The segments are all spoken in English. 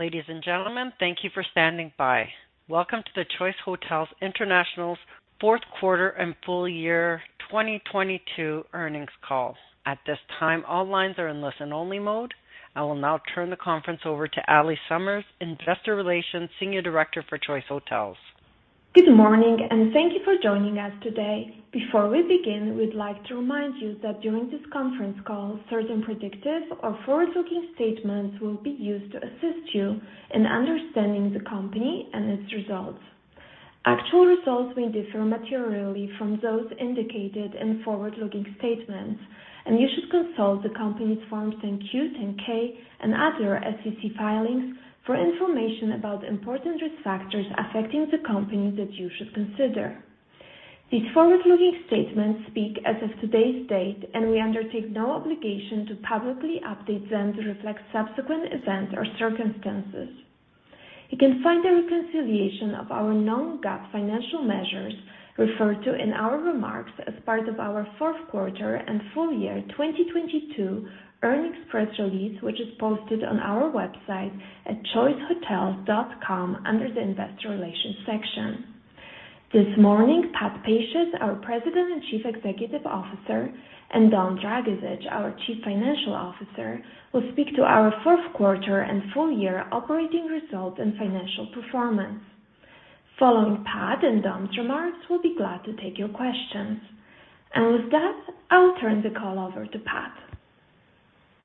Ladies and gentlemen, thank you for standing by. Welcome to the Choice Hotels International's fourth quarter and full year 2022 earnings call. At this time, all lines are in listen-only mode. I will now turn the conference over to Allie Summers, Investor Relations Senior Director for Choice Hotels. Good morning, and thank you for joining us today. Before we begin, we'd like to remind you that during this conference call, certain predictive or forward-looking statements will be used to assist you in understanding the company and its results. Actual results may differ materially from those indicated in forward-looking statements, and you should consult the company's Forms 10-Q, 10-K, and other SEC filings for information about important risk factors affecting the company that you should consider. These forward-looking statements speak as of today's date, and we undertake no obligation to publicly update them to reflect subsequent events or circumstances. You can find a reconciliation of our non-GAAP financial measures referred to in our remarks as part of our fourth quarter and full year 2022 earnings press release, which is posted on our website at choicehotels.com under the Investor Relations section. This morning, Pat Pacious, our President and Chief Executive Officer, and Dom Dragisich, our Chief Financial Officer, will speak to our fourth quarter and full year operating results and financial performance. Following Pat and Dom's remarks, we'll be glad to take your questions. With that, I'll turn the call over to Pat.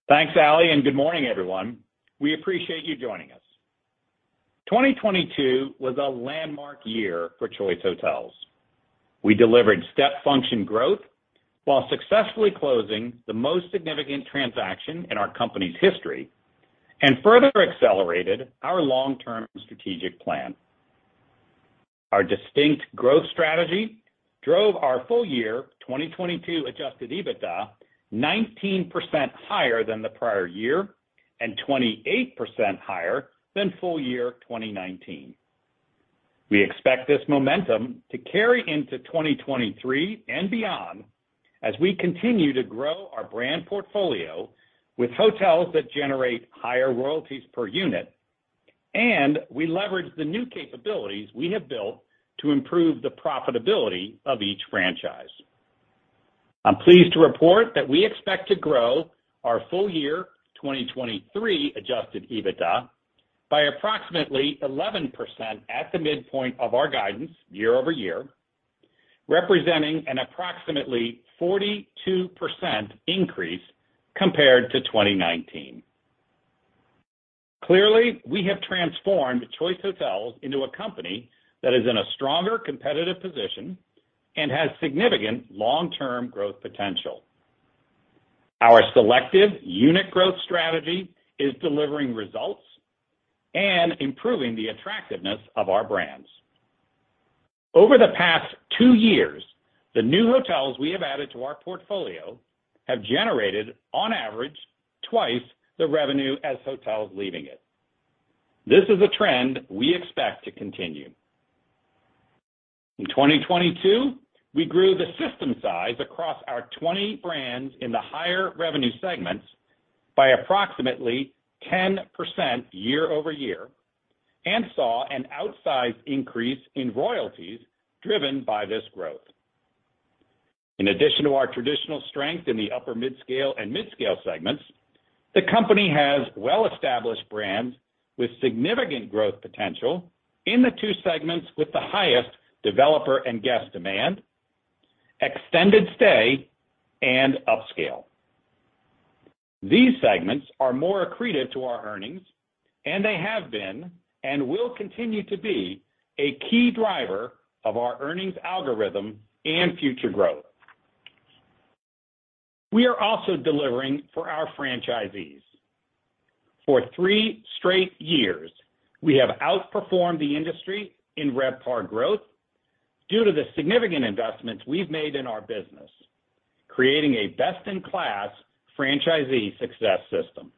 Thanks, Allie, and good morning, everyone. We appreciate you joining us. 2022 was a landmark year for Choice Hotels. We delivered step function growth while successfully closing the most significant transaction in our company's history and further accelerated our long-term strategic plan. Our distinct growth strategy drove our full year 2022 adjusted EBITDA 19% higher than the prior year and 28% higher than full year 2019. We expect this momentum to carry into 2023 and beyond as we continue to grow our brand portfolio with hotels that generate higher royalties per unit. We leverage the new capabilities we have built to improve the profitability of each franchise. I'm pleased to report that we expect to grow our full year 2023 adjusted EBITDA by approximately 11% at the midpoint of our guidance year-over-year, representing an approximately 42% increase compared to 2019. Clearly, we have transformed Choice Hotels into a company that is in a stronger competitive position and has significant long-term growth potential. Our selective unit growth strategy is delivering results and improving the attractiveness of our brands. Over the past two years, the new hotels we have added to our portfolio have generated, on average, twice the revenue as hotels leaving it. This is a trend we expect to continue. In 2022, we grew the system size across our 20 brands in the higher revenue segments by approximately 10% year-over-year, and saw an outsized increase in royalties driven by this growth. In addition to our traditional strength in the upper midscale and midscale segments, the company has well-established brands with significant growth potential in the two segments with the highest developer and guest demand, extended stay and upscale. These segments are more accretive to our earnings, and they have been and will continue to be a key driver of our earnings algorithm and future growth. We are also delivering for our franchisees. For three straight years, we have outperformed the industry in RevPAR growth due to the significant investments we've made in our business, creating a best-in-class franchisee success system.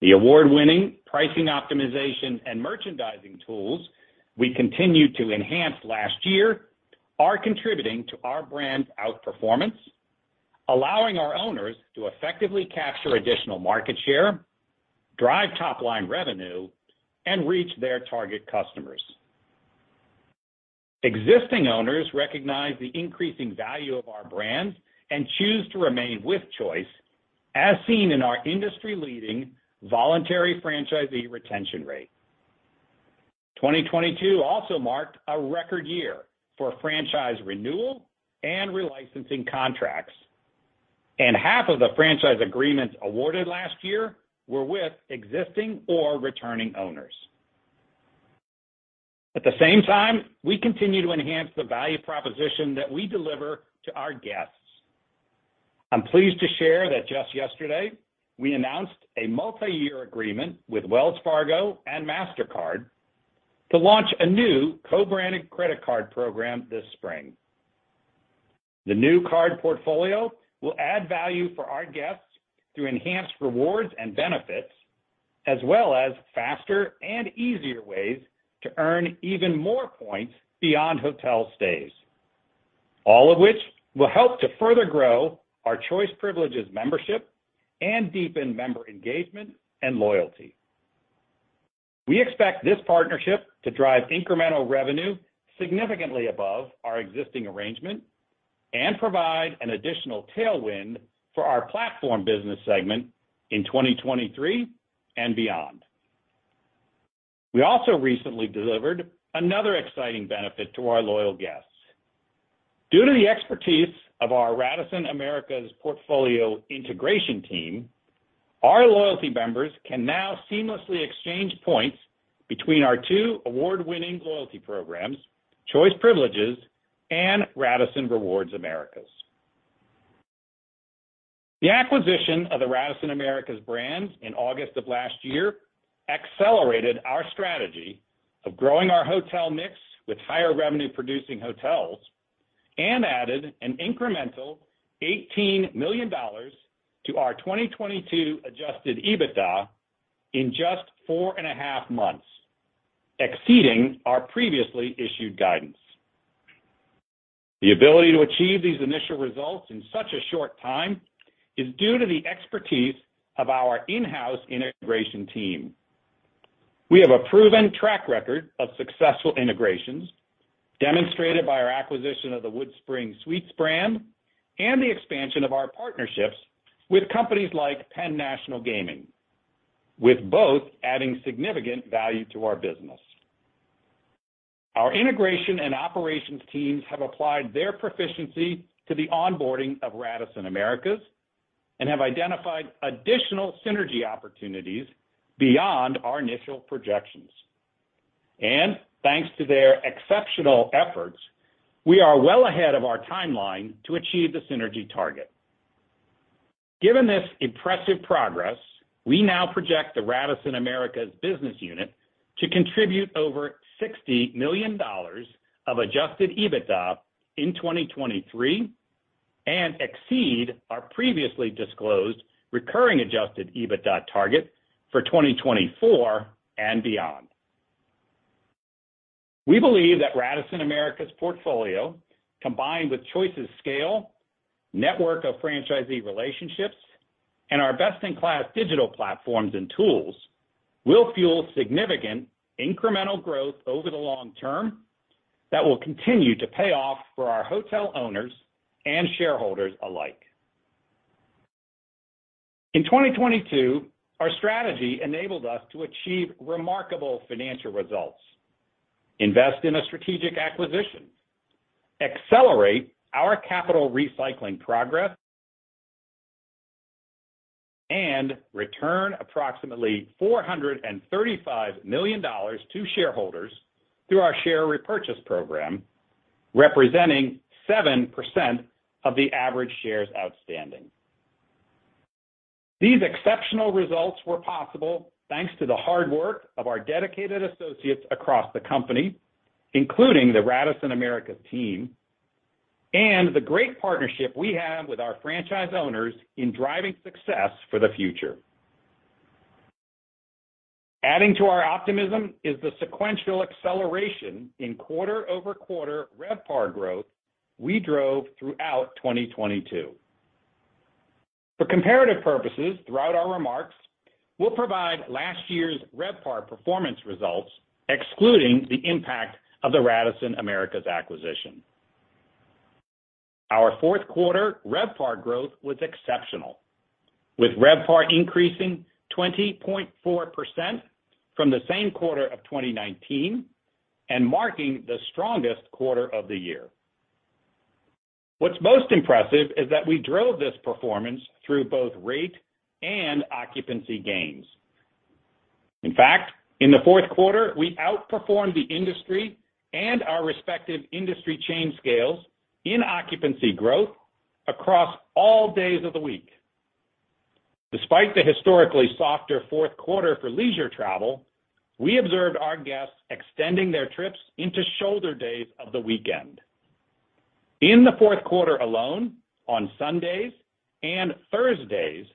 The award-winning pricing optimization and merchandising tools we continued to enhance last year are contributing to our brand's outperformance, allowing our owners to effectively capture additional market share, drive top-line revenue, and reach their target customers. Existing owners recognize the increasing value of our brands, and choose to remain with Choice, as seen in our industry-leading voluntary franchisee retention rate. 2022 also marked a record year for franchise renewal and relicensing contracts, and half of the franchise agreements awarded last year were with existing or returning owners. At the same time, we continue to enhance the value proposition that we deliver to our guests. I'm pleased to share that just yesterday, we announced a multi-year agreement with Wells Fargo and Mastercard to launch a new cobranded credit card program this spring. The new card portfolio will add value for our guests through enhanced rewards and benefits, as well as faster and easier ways to earn even more points beyond hotel stays. All of which will help to further grow our Choice Privileges membership and deepen member engagement and loyalty. We expect this partnership to drive incremental revenue significantly above our existing arrangement and provide an additional tailwind for our platform business segment in 2023 and beyond. We also recently delivered another exciting benefit to our loyal guests. Due to the expertise of our Radisson Americas portfolio integration team, our loyalty members can now seamlessly exchange points between our two award-winning loyalty programs, Choice Privileges and Radisson Rewards Americas. The acquisition of the Radisson Americas brand in August of last year accelerated our strategy of growing our hotel mix with higher revenue producing hotels and added an incremental $18 million to our 2022 adjusted EBITDA in just four and a half months, exceeding our previously issued guidance. The ability to achieve these initial results in such a short time is due to the expertise of our in-house integration team. We have a proven track record of successful integrations demonstrated by our acquisition of the WoodSpring Suites brand and the expansion of our partnerships with companies like Penn National Gaming, with both adding significant value to our business. Our integration and operations teams have applied their proficiency to the onboarding of Radisson Americas and have identified additional synergy opportunities beyond our initial projections. Thanks to their exceptional efforts, we are well ahead of our timeline to achieve the synergy target. Given this impressive progress, we now project the Radisson Americas business unit to contribute over $60 million of adjusted EBITDA in 2023 and exceed our previously disclosed recurring adjusted EBITDA target for 2024 and beyond. We believe that Radisson Americas portfolio, combined with Choice's scale, network of franchisee relationships, and our best-in-class digital platforms and tools will fuel significant incremental growth over the long term that will continue to pay off for our hotel owners and shareholders alike. In 2022, our strategy enabled us to achieve remarkable financial results, invest in a strategic acquisition, accelerate our capital recycling progress, and return approximately $435 million to shareholders through our share repurchase program, representing 7% of the average shares outstanding. These exceptional results were possible thanks to the hard work of our dedicated associates across the company, including the Radisson Americas team. The great partnership we have with our franchise owners in driving success for the future. Adding to our optimism is the sequential acceleration in quarter-over-quarter RevPAR growth we drove throughout 2022. For comparative purposes throughout our remarks, we'll provide last year's RevPAR performance results excluding the impact of the Radisson Americas acquisition. Our fourth quarter RevPAR growth was exceptional, with RevPAR increasing 20.4% from the same quarter of 2019 and marking the strongest quarter of the year. What's most impressive is that we drove this performance through both rate and occupancy gains. In fact, in the fourth quarter, we outperformed the industry and our respective industry chain scales in occupancy growth across all days of the week. Despite the historically softer fourth quarter for leisure travel, we observed our guests extending their trips into shoulder days of the weekend. In the fourth quarter alone, on Sundays and Thursdays,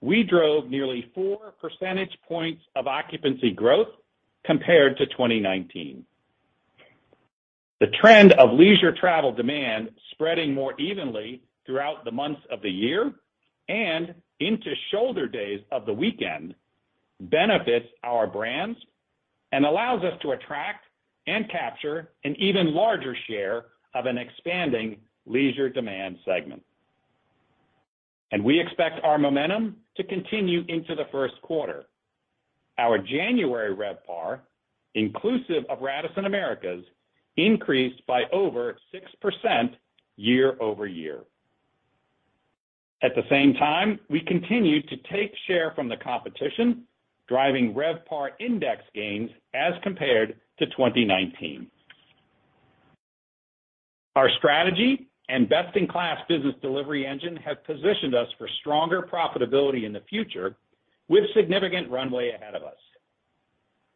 we drove nearly 4 percentage points of occupancy growth compared to 2019. The trend of leisure travel demand spreading more evenly throughout the months of the year and into shoulder days of the weekend benefits our brands and allows us to attract and capture an even larger share of an expanding leisure demand segment. We expect our momentum to continue into the first quarter. Our January RevPAR, inclusive of Radisson Americas, increased by over 6% year-over-year. At the same time, we continued to take share from the competition, driving RevPAR index gains as compared to 2019. Our strategy and best-in-class business delivery engine have positioned us for stronger profitability in the future with significant runway ahead of us.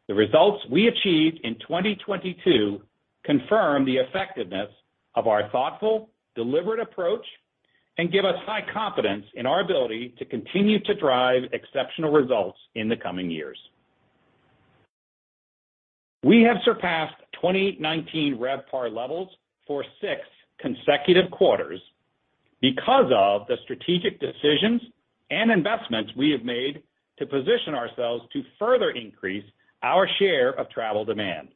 The results we achieved in 2022 confirm the effectiveness of our thoughtful, deliberate approach, and give us high confidence in our ability to continue to drive exceptional results in the coming years. We have surpassed 2019 RevPAR levels for six consecutive quarters because of the strategic decisions and investments we have made to position ourselves to further increase our share of travel demand.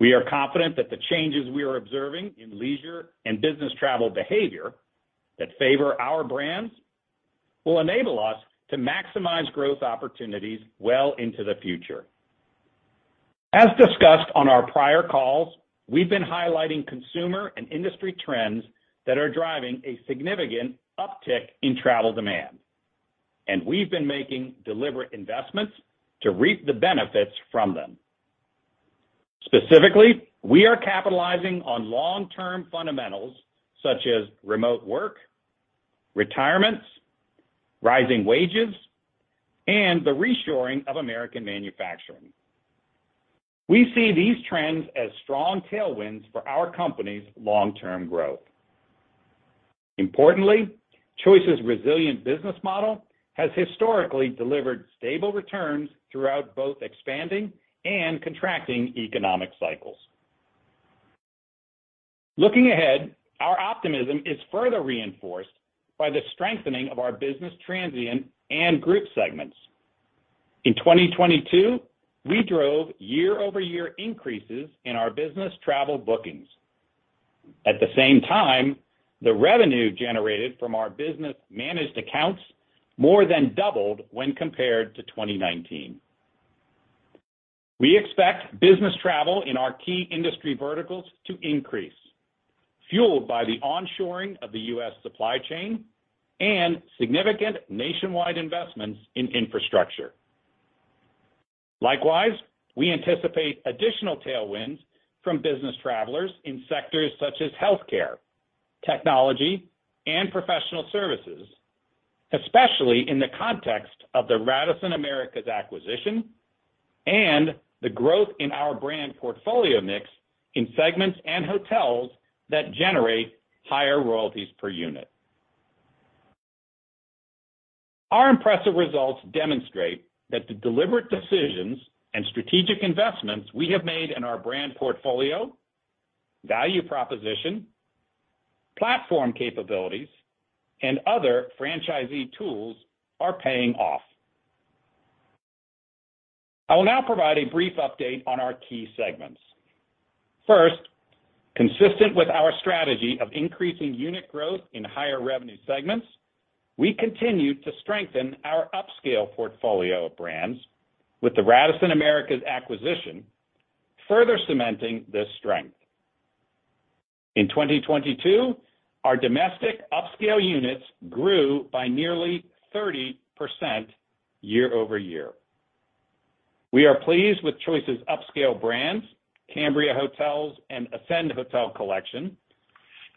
We are confident that the changes we are observing in leisure and business travel behavior that favor our brands will enable us to maximize growth opportunities well into the future. As discussed on our prior calls, we've been highlighting consumer and industry trends that are driving a significant uptick in travel demand, and we've been making deliberate investments to reap the benefits from them. Specifically, we are capitalizing on long-term fundamentals such as remote work, retirements, rising wages, and the reshoring of American manufacturing. We see these trends as strong tailwinds for our company's long-term growth. Importantly, Choice's resilient business model has historically delivered stable returns throughout both expanding and contracting economic cycles. Looking ahead, our optimism is further reinforced by the strengthening of our business transient and group segments. In 2022, we drove year-over-year increases in our business travel bookings. At the same time, the revenue generated from our business managed accounts more than doubled when compared to 2019. We expect business travel in our key industry verticals to increase, fueled by the onshoring of the U.S. supply chain and significant nationwide investments in infrastructure. Likewise, we anticipate additional tailwinds from business travelers in sectors such as healthcare, technology, and professional services, especially in the context of the Radisson Hotels Americas acquisition and the growth in our brand portfolio mix in segments and hotels that generate higher royalties per unit. Our impressive results demonstrate that the deliberate decisions and strategic investments we have made in our brand portfolio, value proposition, platform capabilities, and other franchisee tools are paying off. I will now provide a brief update on our key segments. First, consistent with our strategy of increasing unit growth in higher revenue segments, we continue to strengthen our upscale portfolio of brands with the Radisson Hotels Americas acquisition, further cementing this strength. In 2022, our domestic upscale units grew by nearly 30% year-over-year. We are pleased with Choice's upscale brands, Cambria Hotels and Ascend Hotel Collection,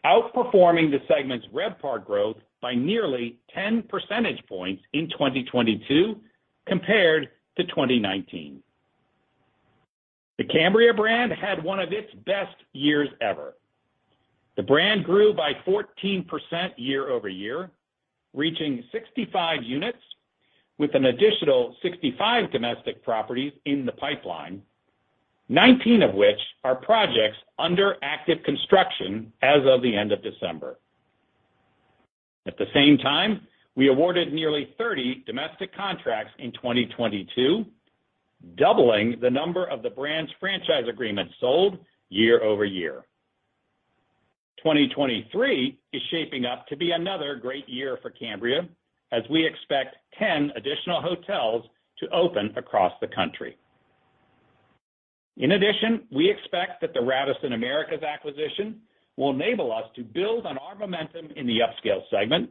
outperforming the segment's RevPAR growth by nearly 10 percentage points in 2022 compared to 2019. The Cambria brand had one of its best years ever. The brand grew by 14% year-over-year, reaching 65 units with an additional 65 domestic properties in the pipeline, 19 of which are projects under active construction as of the end of December. We awarded nearly 30 domestic contracts in 2022, doubling the number of the brand's franchise agreements sold year-over-year. 2023 is shaping up to be another great year for Cambria as we expect 10 additional hotels to open across the country. We expect that the Radisson Americas acquisition will enable us to build on our momentum in the upscale segment,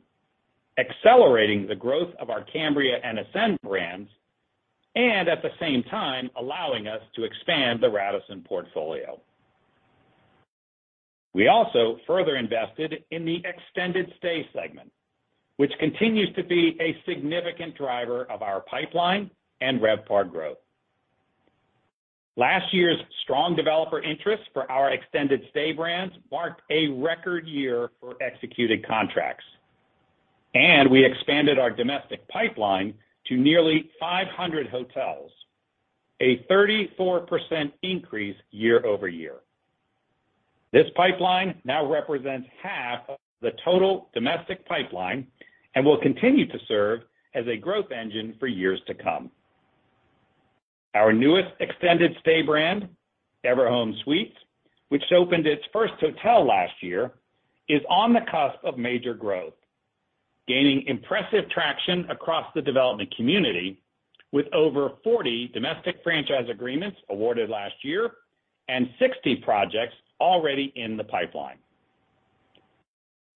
accelerating the growth of our Cambria and Ascend brands, and at the same time allowing us to expand the Radisson portfolio. We also further invested in the extended stay segment, which continues to be a significant driver of our pipeline and RevPAR growth. Last year's strong developer interest for our extended stay brands marked a record year for executed contracts. We expanded our domestic pipeline to nearly 500 hotels, a 34% increase year-over-year. This pipeline now represents half of the total domestic pipeline, and will continue to serve as a growth engine for years to come. Our newest extended stay brand, Everhome Suites, which opened its first hotel last year, is on the cusp of major growth, gaining impressive traction across the development community with over 40 domestic franchise agreements awarded last year and 60 projects already in the pipeline.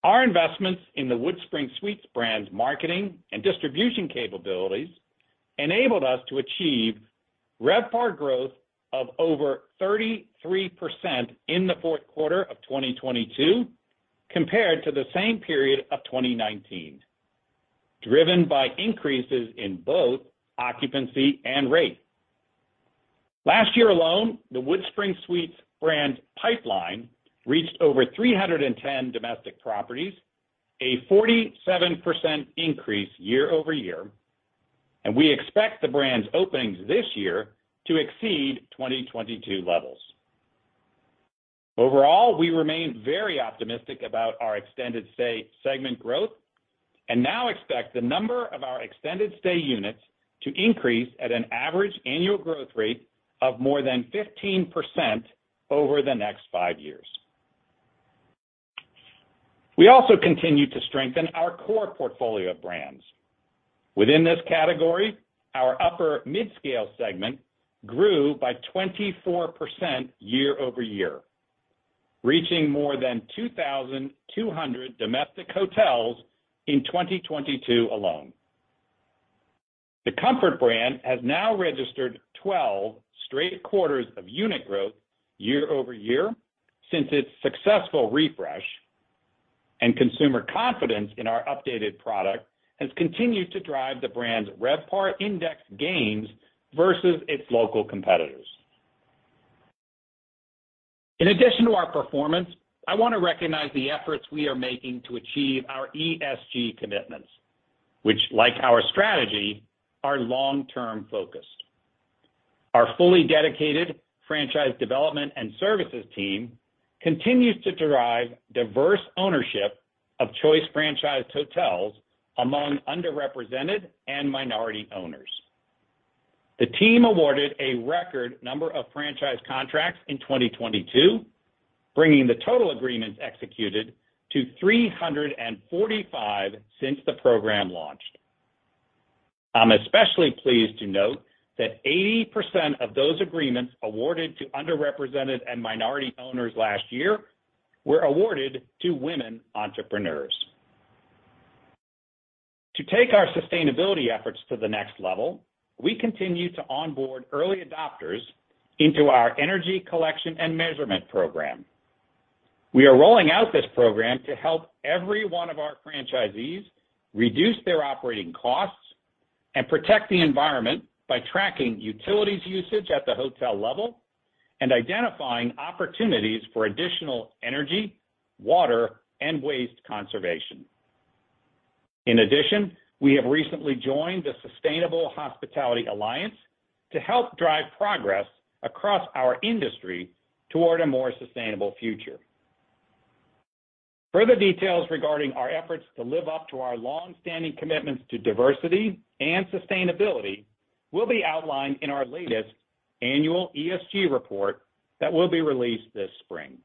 Our investments in the WoodSpring Suites brand's marketing and distribution capabilities enabled us to achieve RevPAR growth of over 33% in the fourth quarter of 2022 compared to the same period of 2019, driven by increases in both occupancy and rate. Last year alone, the WoodSpring Suites brand pipeline reached over 310 domestic properties. A 47% increase year-over-year, we expect the brand's openings this year to exceed 2022 levels. Overall, we remain very optimistic about our extended stay segment growth, and now expect the number of our extended stay units to increase at an average annual growth rate of more than 15% over the next five years. We also continue to strengthen our core portfolio of brands. Within this category, our upper mid-scale segment grew by 24% year-over-year, reaching more than 2,200 domestic hotels in 2022 alone. The Comfort brand has now registered 12 straight quarters of unit growth year-over-year since its successful refresh, and consumer confidence in our updated product has continued to drive the brand's RevPAR index gains versus its local competitors. In addition to our performance, I want to recognize the efforts we are making to achieve our ESG commitments, which like our strategy, are long-term focused. Our fully dedicated franchise development and services team continues to drive diverse ownership of Choice franchised hotels among underrepresented and minority owners. The team awarded a record number of franchise contracts in 2022, bringing the total agreements executed to 345 since the program launched. I'm especially pleased to note that 80% of those agreements awarded to underrepresented and minority owners last year were awarded to women entrepreneurs. To take our sustainability efforts to the next level, we continue to onboard early adopters into our energy collection and measurement program. We are rolling out this program to help every one of our franchisees reduce their operating costs and protect the environment by tracking utilities usage at the hotel level and identifying opportunities for additional energy, water, and waste conservation. In addition, we have recently joined the Sustainable Hospitality Alliance to help drive progress across our industry toward a more sustainable future. Further details regarding our efforts to live up to our long-standing commitments to diversity and sustainability will be outlined in our latest annual ESG report that will be released this spring.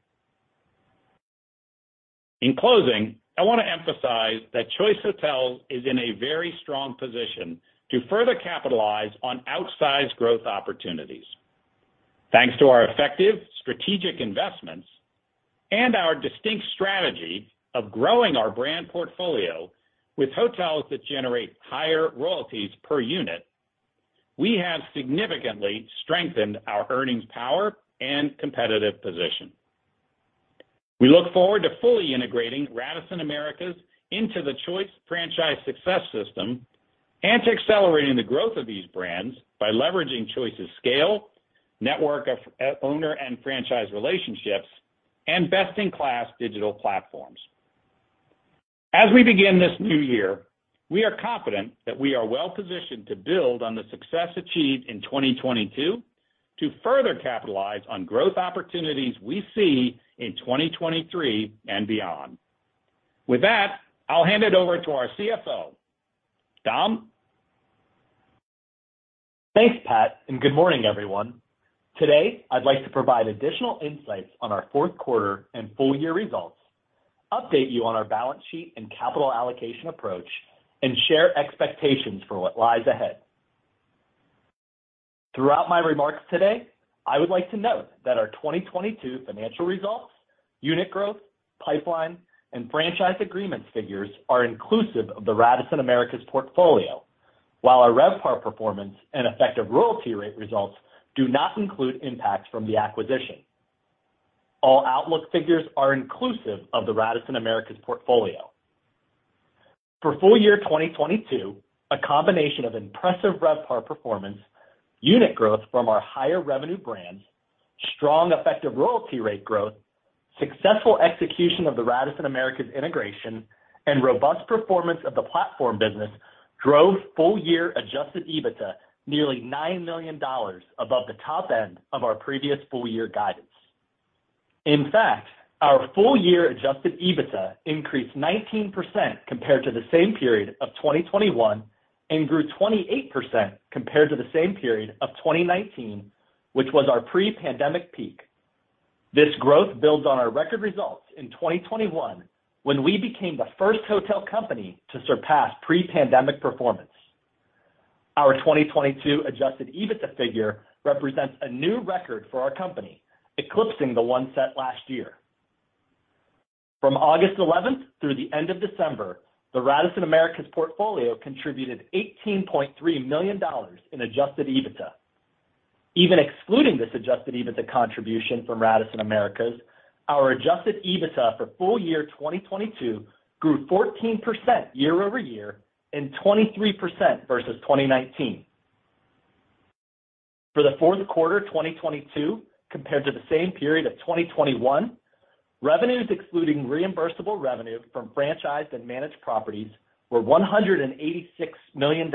In closing, I want to emphasize that Choice Hotels is in a very strong position to further capitalize on outsized growth opportunities. Thanks to our effective strategic investments and our distinct strategy of growing our brand portfolio with hotels that generate higher royalties per unit, we have significantly strengthened our earnings power and competitive position. We look forward to fully integrating Radisson Americas into the Choice franchise success system and to accelerating the growth of these brands by leveraging Choice's scale, network of owner and franchise relationships, and best-in-class digital platforms. As we begin this new year, we are confident that we are well-positioned to build on the success achieved in 2022 to further capitalize on growth opportunities we see in 2023 and beyond. With that, I'll hand it over to our CFO. Dom? Thanks, Pat. Good morning, everyone. Today, I'd like to provide additional insights on our fourth quarter and full year results, update you on our balance sheet and capital allocation approach, and share expectations for what lies ahead. Throughout my remarks today, I would like to note that our 2022 financial results, unit growth, pipeline, and franchise agreements figures are inclusive of the Radisson Americas portfolio, while our RevPAR performance and effective royalty rate results do not include impacts from the acquisition. All outlook figures are inclusive of the Radisson Americas portfolio. For full year 2022, a combination of impressive RevPAR performance, unit growth from our higher revenue brands, strong effective royalty rate growth, successful execution of the Radisson Americas integration, and robust performance of the platform business drove full year adjusted EBITDA nearly $9 million above the top end of our previous full year guidance. In fact, our full year adjusted EBITDA increased 19% compared to the same period of 2021 and grew 28% compared to the same period of 2019, which was our pre-pandemic peak. This growth builds on our record results in 2021, when we became the first hotel company to surpass pre-pandemic performance. Our 2022 adjusted EBITDA figure represents a new record for our company, eclipsing the one set last year. From August 11th through the end of December, the Radisson Americas portfolio contributed $18.3 million in adjusted EBITDA. Even excluding this adjusted EBITDA contribution from Radisson Americas, our adjusted EBITDA for full year 2022 grew 14% year-over-year and 23% versus 2019. For the fourth quarter 2022 compared to the same period of 2021, revenues excluding reimbursable revenue from franchised and managed properties were $186 million,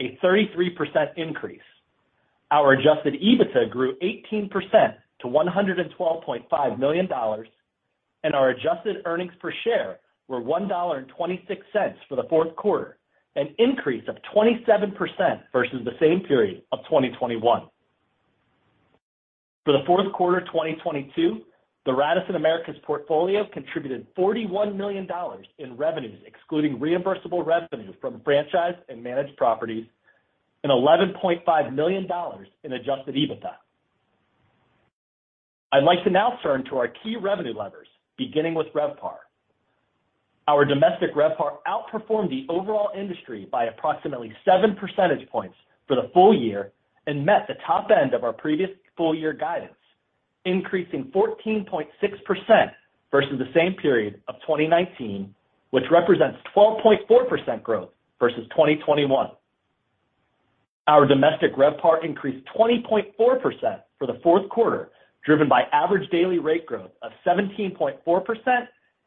a 33% increase. Our adjusted EBITDA grew 18% to $112.5 million, and our adjusted earnings per share were $1.26 for the fourth quarter, an increase of 27% versus the same period of 2021. For the fourth quarter of 2022, the Radisson Americas portfolio contributed $41 million in revenues, excluding reimbursable revenue from franchised and managed properties, and $11.5 million in adjusted EBITDA. I'd like to now turn to our key revenue levers, beginning with RevPAR. Our domestic RevPAR outperformed the overall industry by approximately 7 percentage points for the full year and met the top end of our previous full-year guidance, increasing 14.6% versus the same period of 2019, which represents 12.4% growth versus 2021. Our domestic RevPAR increased 20.4% for the fourth quarter, driven by average daily rate growth of 17.4%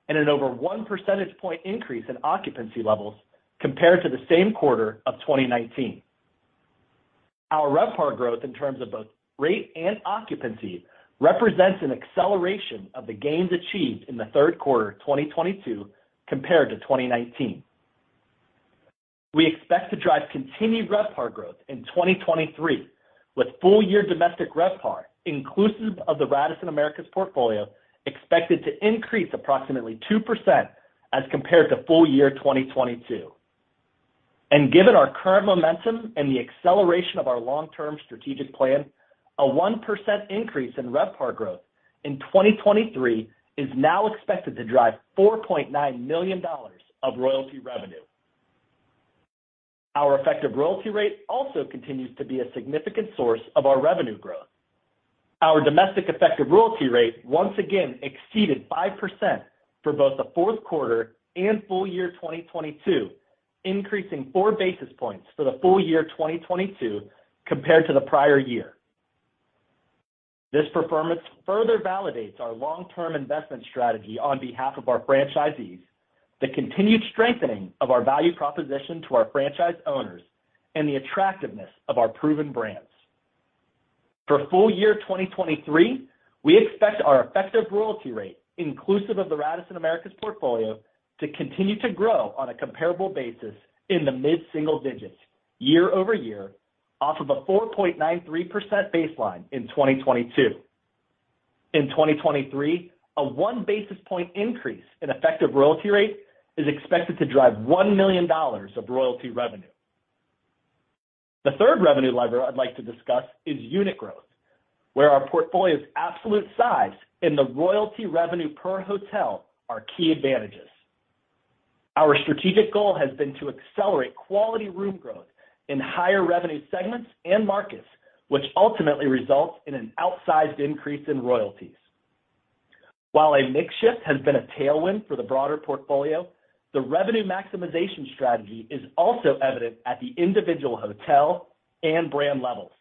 and an over 1 percentage point increase in occupancy levels compared to the same quarter of 2019. Our RevPAR growth in terms of both rate and occupancy represents an acceleration of the gains achieved in the third quarter of 2022 compared to 2019. We expect to drive continued RevPAR growth in 2023, with full-year domestic RevPAR inclusive of the Radisson Americas portfolio expected to increase approximately 2% as compared to full year 2022. Given our current momentum and the acceleration of our long-term strategic plan, a 1% increase in RevPAR growth in 2023 is now expected to drive $4.9 million of royalty revenue. Our effective royalty rate also continues to be a significant source of our revenue growth. Our domestic effective royalty rate once again exceeded 5% for both the fourth quarter and full year 2022, increasing 4 basis points for the full year 2022 compared to the prior year. This performance further validates our long-term investment strategy on behalf of our franchisees, the continued strengthening of our value proposition to our franchise owners, and the attractiveness of our proven brands. For full year 2023, we expect our effective royalty rate, inclusive of the Radisson Americas portfolio, to continue to grow on a comparable basis in the mid-single digits year-over-year off of a 4.93% baseline in 2022. In 2023, a 1 basis point increase in effective royalty rate is expected to drive $1 million of royalty revenue. The third revenue lever I'd like to discuss is unit growth, where our portfolio's absolute size and the royalty revenue per hotel are key advantages. Our strategic goal has been to accelerate quality room growth in higher revenue segments and markets, which ultimately results in an outsized increase in royalties. While a mix shift has been a tailwind for the broader portfolio, the revenue maximization strategy is also evident at the individual hotel and brand levels.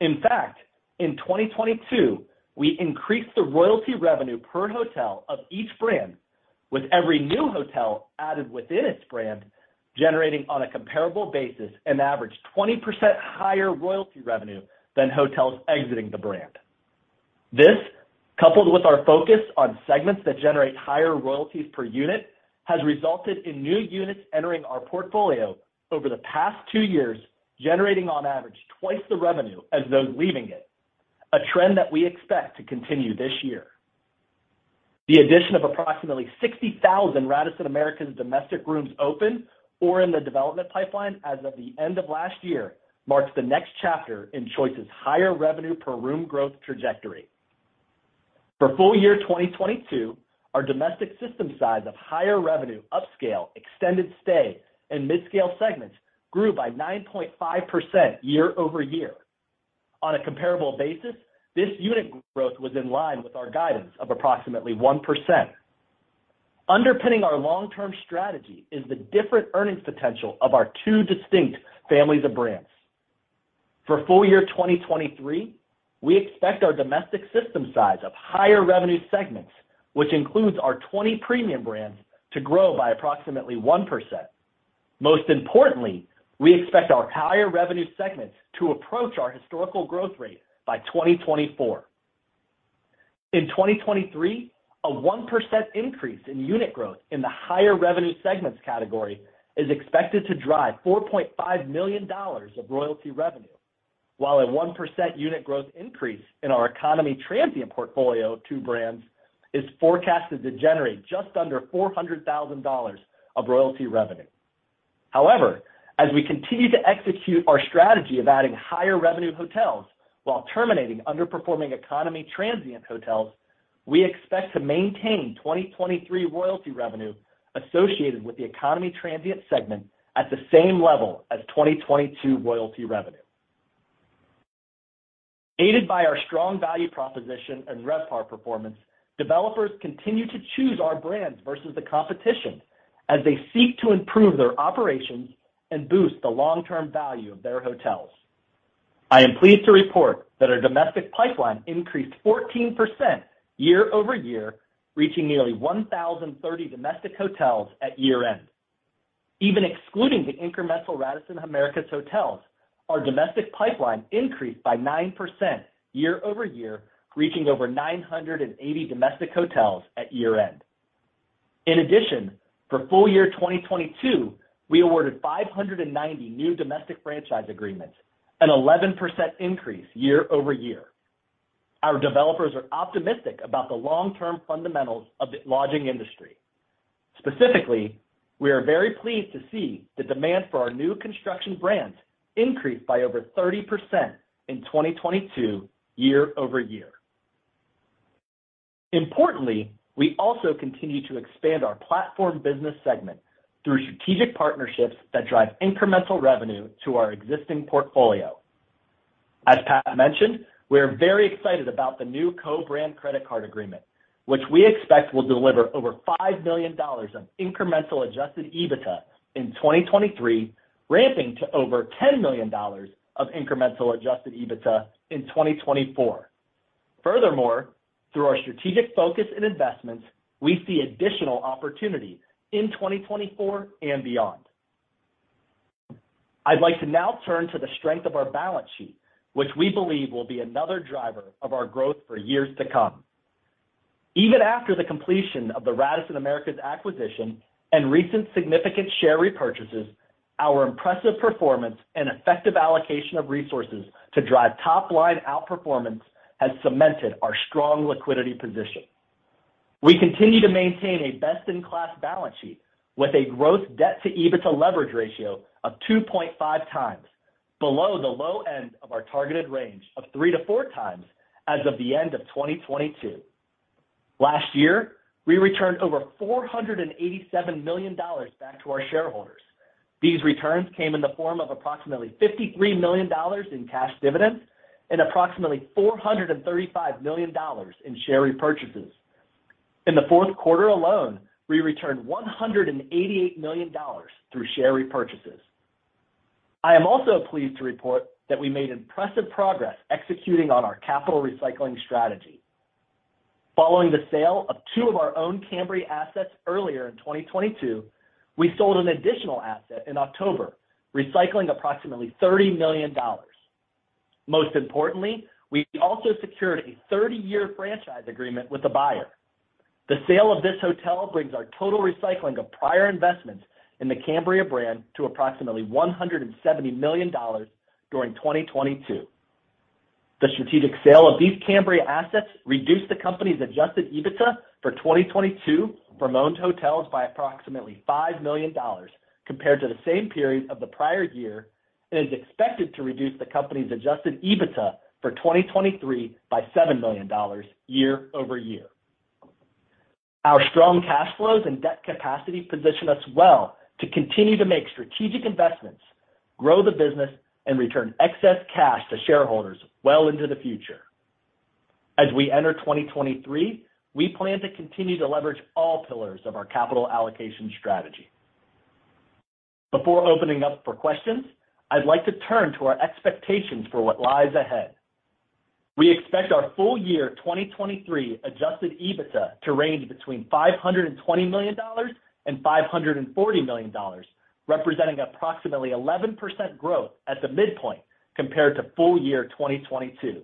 In fact, in 2022, we increased the royalty revenue per hotel of each brand, with every new hotel added within its brand generating on a comparable basis an average 20% higher royalty revenue than hotels exiting the brand. This, coupled with our focus on segments that generate higher royalties per unit, has resulted in new units entering our portfolio over the past two years, generating on average twice the revenue as those leaving it, a trend that we expect to continue this year. The addition of approximately 60,000 Radisson Americas domestic rooms open or in the development pipeline as of the end of last year marks the next chapter in Choice's higher revenue per room growth trajectory. For full year 2022, our domestic system size of higher revenue upscale, extended stay, and midscale segments grew by 9.5% year-over-year. On a comparable basis, this unit growth was in line with our guidance of approximately 1%. Underpinning our long-term strategy is the different earnings potential of our two distinct families of brands. For full year 2023, we expect our domestic system size of higher revenue segments, which includes our 20 premium brands, to grow by approximately 1%. Most importantly, we expect our higher revenue segments to approach our historical growth rate by 2024. In 2023, a 1% increase in unit growth in the higher revenue segments category is expected to drive $4.5 million of royalty revenue, while a 1% unit growth increase in our economy transient portfolio of two brands is forecasted to generate just under $400,000 of royalty revenue. However, as we continue to execute our strategy of adding higher revenue hotels while terminating underperforming economy transient hotels, we expect to maintain 2023 royalty revenue associated with the economy transient segment at the same level as 2022 royalty revenue. Aided by our strong value proposition and RevPAR performance, developers continue to choose our brands versus the competition as they seek to improve their operations and boost the long-term value of their hotels. I am pleased to report that our domestic pipeline increased 14% year-over-year, reaching nearly 1,030 domestic hotels at year-end. Even excluding the incremental Radisson Americas hotels, our domestic pipeline increased by 9% year-over-year, reaching over 980 domestic hotels at year-end. In addition, for full year 2022, we awarded 590 new domestic franchise agreements, an 11% increase year-over-year. Our developers are optimistic about the long-term fundamentals of the lodging industry. Specifically, we are very pleased to see the demand for our new construction brands increase by over 30% in 2022 year-over-year. Importantly, we also continue to expand our platform business segment through strategic partnerships that drive incremental revenue to our existing portfolio. As Pat mentioned, we are very excited about the new cobranded credit card agreement, which we expect will deliver over $5 million of incremental adjusted EBITDA in 2023, ramping to over $10 million of incremental adjusted EBITDA in 2024. Through our strategic focus and investments, we see additional opportunity in 2024 and beyond. I'd like to now turn to the strength of our balance sheet, which we believe will be another driver of our growth for years to come. Even after the completion of the Radisson Americas acquisition and recent significant share repurchases, our impressive performance and effective allocation of resources to drive top-line outperformance has cemented our strong liquidity position. We continue to maintain a best-in-class balance sheet with a gross debt to EBITDA leverage ratio of 2.5x, below the low end of our targeted range of 3x to 4x as of the end of 2022. Last year, we returned over $487 million back to our shareholders. These returns came in the form of approximately $53 million in cash dividends and approximately $435 million in share repurchases. In the fourth quarter alone, we returned $188 million through share repurchases. I am also pleased to report that we made impressive progress executing on our capital recycling strategy. Following the sale of two of our own Cambria assets earlier in 2022, we sold an additional asset in October, recycling approximately $30 million. Most importantly, we also secured a 30-year franchise agreement with the buyer. The sale of this hotel brings our total recycling of prior investments in the Cambria brand to approximately $170 million during 2022. The strategic sale of these Cambria assets reduced the company's adjusted EBITDA for 2022 from owned hotels by approximately $5 million compared to the same period of the prior year, and is expected to reduce the company's adjusted EBITDA for 2023 by $7 million year-over-year. Our strong cash flows and debt capacity position us well to continue to make strategic investments, grow the business, and return excess cash to shareholders well into the future. As we enter 2023, we plan to continue to leverage all pillars of our capital allocation strategy. Before opening up for questions, I'd like to turn to our expectations for what lies ahead. We expect our full year 2023 adjusted EBITDA to range between $520 million and $540 million, representing approximately 11% growth at the midpoint compared to full year 2022.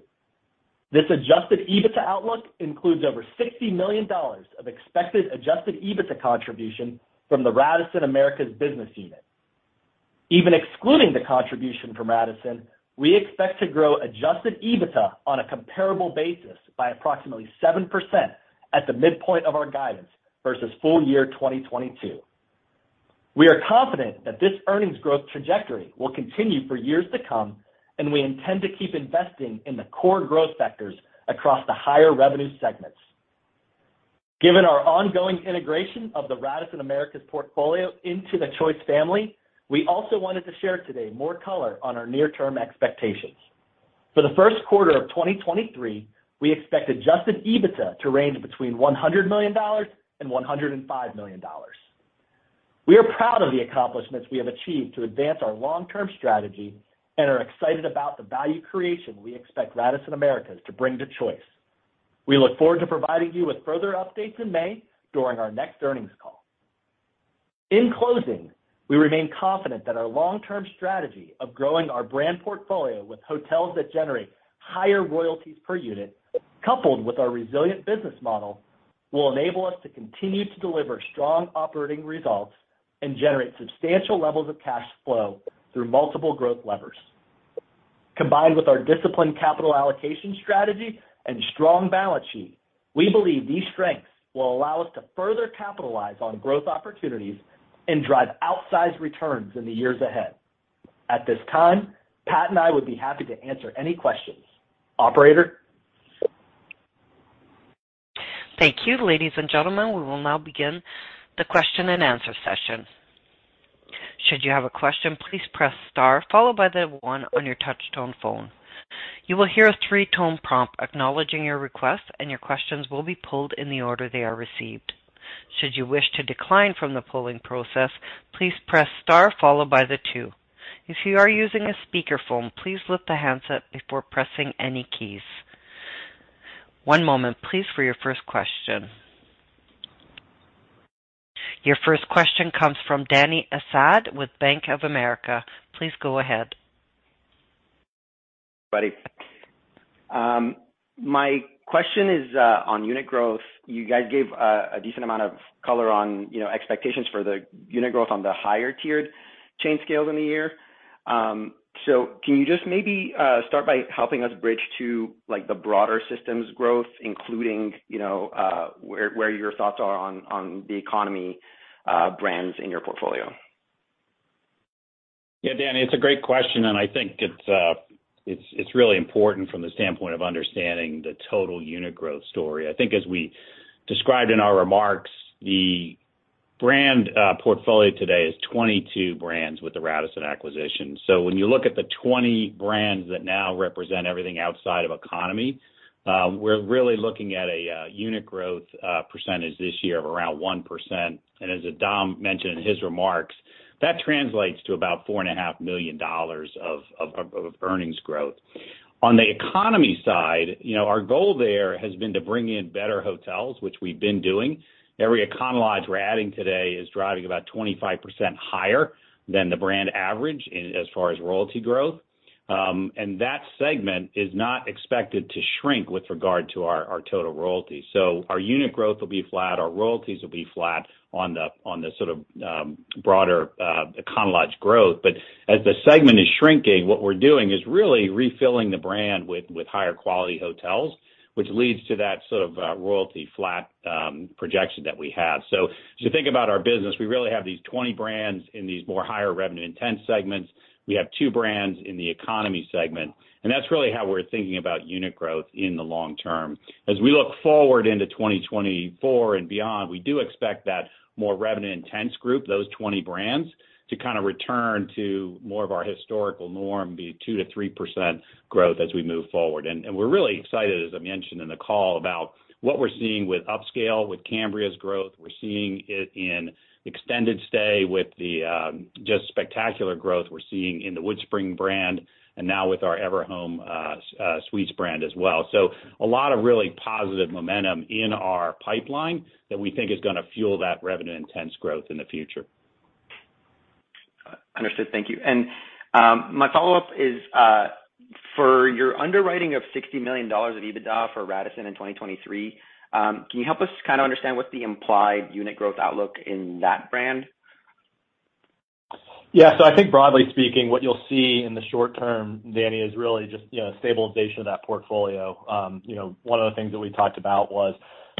This adjusted EBITDA outlook includes over $60 million of expected adjusted EBITDA contribution from the Radisson Americas business unit. Even excluding the contribution from Radisson, we expect to grow adjusted EBITDA on a comparable basis by approximately 7% at the midpoint of our guidance versus full year 2022. We are confident that this earnings growth trajectory will continue for years to come, and we intend to keep investing in the core growth sectors across the higher revenue segments. Given our ongoing integration of the Radisson Hotels Americas portfolio into the Choice, we also wanted to share today more color on our near-term expectations. For the first quarter of 2023, we expect adjusted EBITDA to range between $100 million and $105 million. We are proud of the accomplishments we have achieved to advance our long-term strategy and are excited about the value creation we expect Radisson Hotels Americas to bring to Choice. We look forward to providing you with further updates in May during our next earnings call. In closing, we remain confident that our long-term strategy of growing our brand portfolio with hotels that generate higher royalties per unit, coupled with our resilient business model, will enable us to continue to deliver strong operating results and generate substantial levels of cash flow through multiple growth levers. Combined with our disciplined capital allocation strategy and strong balance sheet, we believe these strengths will allow us to further capitalize on growth opportunities and drive outsized returns in the years ahead. At this time, Pat and I would be happy to answer any questions. Operator? Ladies and gentlemen, we will now begin the question and answer session. Should you have a question, please press star followed by the one on your touchtone phone. You will hear a three-tone prompt acknowledging your request, and your questions will be pulled in the order they are received. Should you wish to decline from the polling process, please press star followed by the two. If you are using a speakerphone, please lift the handset before pressing any keys. One moment please for your first question. Your first question comes from Dany Asad with Bank of America. Please go ahead. My question is on unit growth. You guys gave a decent amount of color on, you know, expectations for the unit growth on the higher tiered chain scales in the year. Can you just maybe start by helping us bridge to, like, the broader systems growth, including, you know, where your thoughts are on the economy brands in your portfolio? Yeah, Dany, it's a great question, and I think it's really important from the standpoint of understanding the total unit growth story. I think as we described in our remarks, the brand portfolio today is 22 brands with the Radisson acquisition. When you look at the 20 brands that now represent everything outside of economy, we're really looking at a unit growth percentage this year of around 1%. As Dom mentioned in his remarks, that translates to about $4.5 million of earnings growth. On the economy side, you know, our goal there has been to bring in better hotels, which we've been doing. Every Econo Lodge we're adding today is driving about 25% higher than the brand average in as far as royalty growth. That segment is not expected to shrink with regard to our total royalty. Our unit growth will be flat, our royalties will be flat on the, on the sort of, broader, Econo Lodge growth. As the segment is shrinking, what we're doing is really refilling the brand with higher quality hotels, which leads to that sort of, royalty flat, projection that we have. As you think about our business, we really have these 20 brands in these more higher revenue intense segments. We have two brands in the economy segment, and that's really how we're thinking about unit growth in the long term. As we look forward into 2024 and beyond, we do expect that more revenue intense group, those 20 brands, to kind of return to more of our historical norm, be 2%-3% growth as we move forward. We're really excited, as I mentioned in the call, about what we're seeing with upscale, with Cambria's growth. We're seeing it in extended stay with the just spectacular growth we're seeing in the WoodSpring brand and now with our Everhome Suites brand as well. A lot of really positive momentum in our pipeline that we think is gonna fuel that revenue intense growth in the future. Understood. Thank you. My follow-up is for your underwriting of $60 million of EBITDA for Radisson in 2023, can you help us kind of understand what the implied unit growth outlook in that brand? Yeah. I think broadly speaking, what you'll see in the short term, Dany, is really just, you know, stabilization of that portfolio. You know, one of the things that we talked about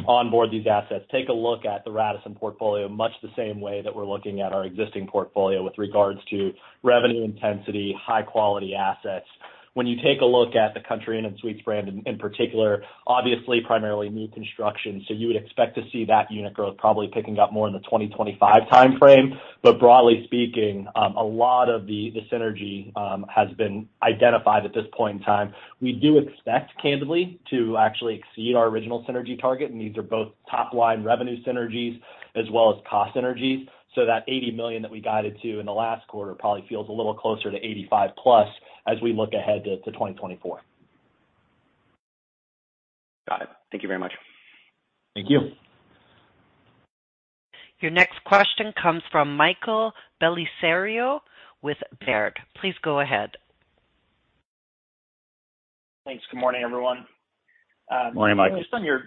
was onboard these assets. Take a look at the Radisson portfolio, much the same way that we're looking at our existing portfolio with regards to revenue intensity, high quality assets. When you take a look at the Country Inn & Suites brand in particular, obviously primarily new construction, so you would expect to see that unit growth probably picking up more in the 2025 timeframe. Broadly speaking, a lot of the synergy has been identified at this point in time. We do expect, candidly, to actually exceed our original synergy target, and these are both top line revenue synergies as well as cost synergies. That $80 million that we guided to in the last quarter probably feels a little closer to $85 million+ as we look ahead to 2024. Got it. Thank you very much. Thank you. Your next question comes from Michael Bellisario with Baird. Please go ahead. Thanks. Good morning, everyone. Morning, Michael. Just on your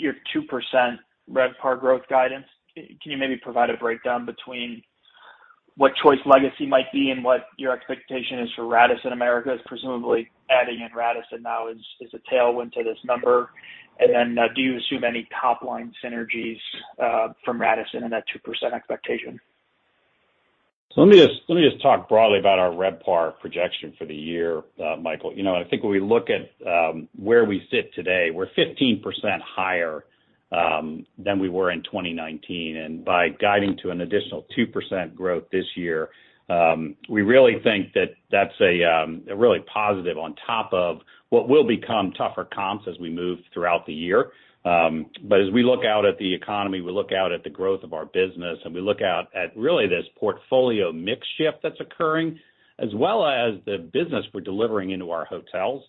2% RevPAR growth guidance, can you maybe provide a breakdown between what Choice Legacy might be and what your expectation is for Radisson Americas? Presumably adding in Radisson now is a tailwind to this number. Do you assume any top line synergies from Radisson in that 2% expectation? Let me just talk broadly about our RevPAR projection for the year, Michael. You know, I think when we look at where we sit today, we're 15% higher than we were in 2019. By guiding to an additional 2% growth this year, we really think that that's a really positive on top of what will become tougher comps as we move throughout the year. As we look out at the economy, we look out at the growth of our business, and we look out at really this portfolio mix shift that's occurring, as well as the business we're delivering into our hotels,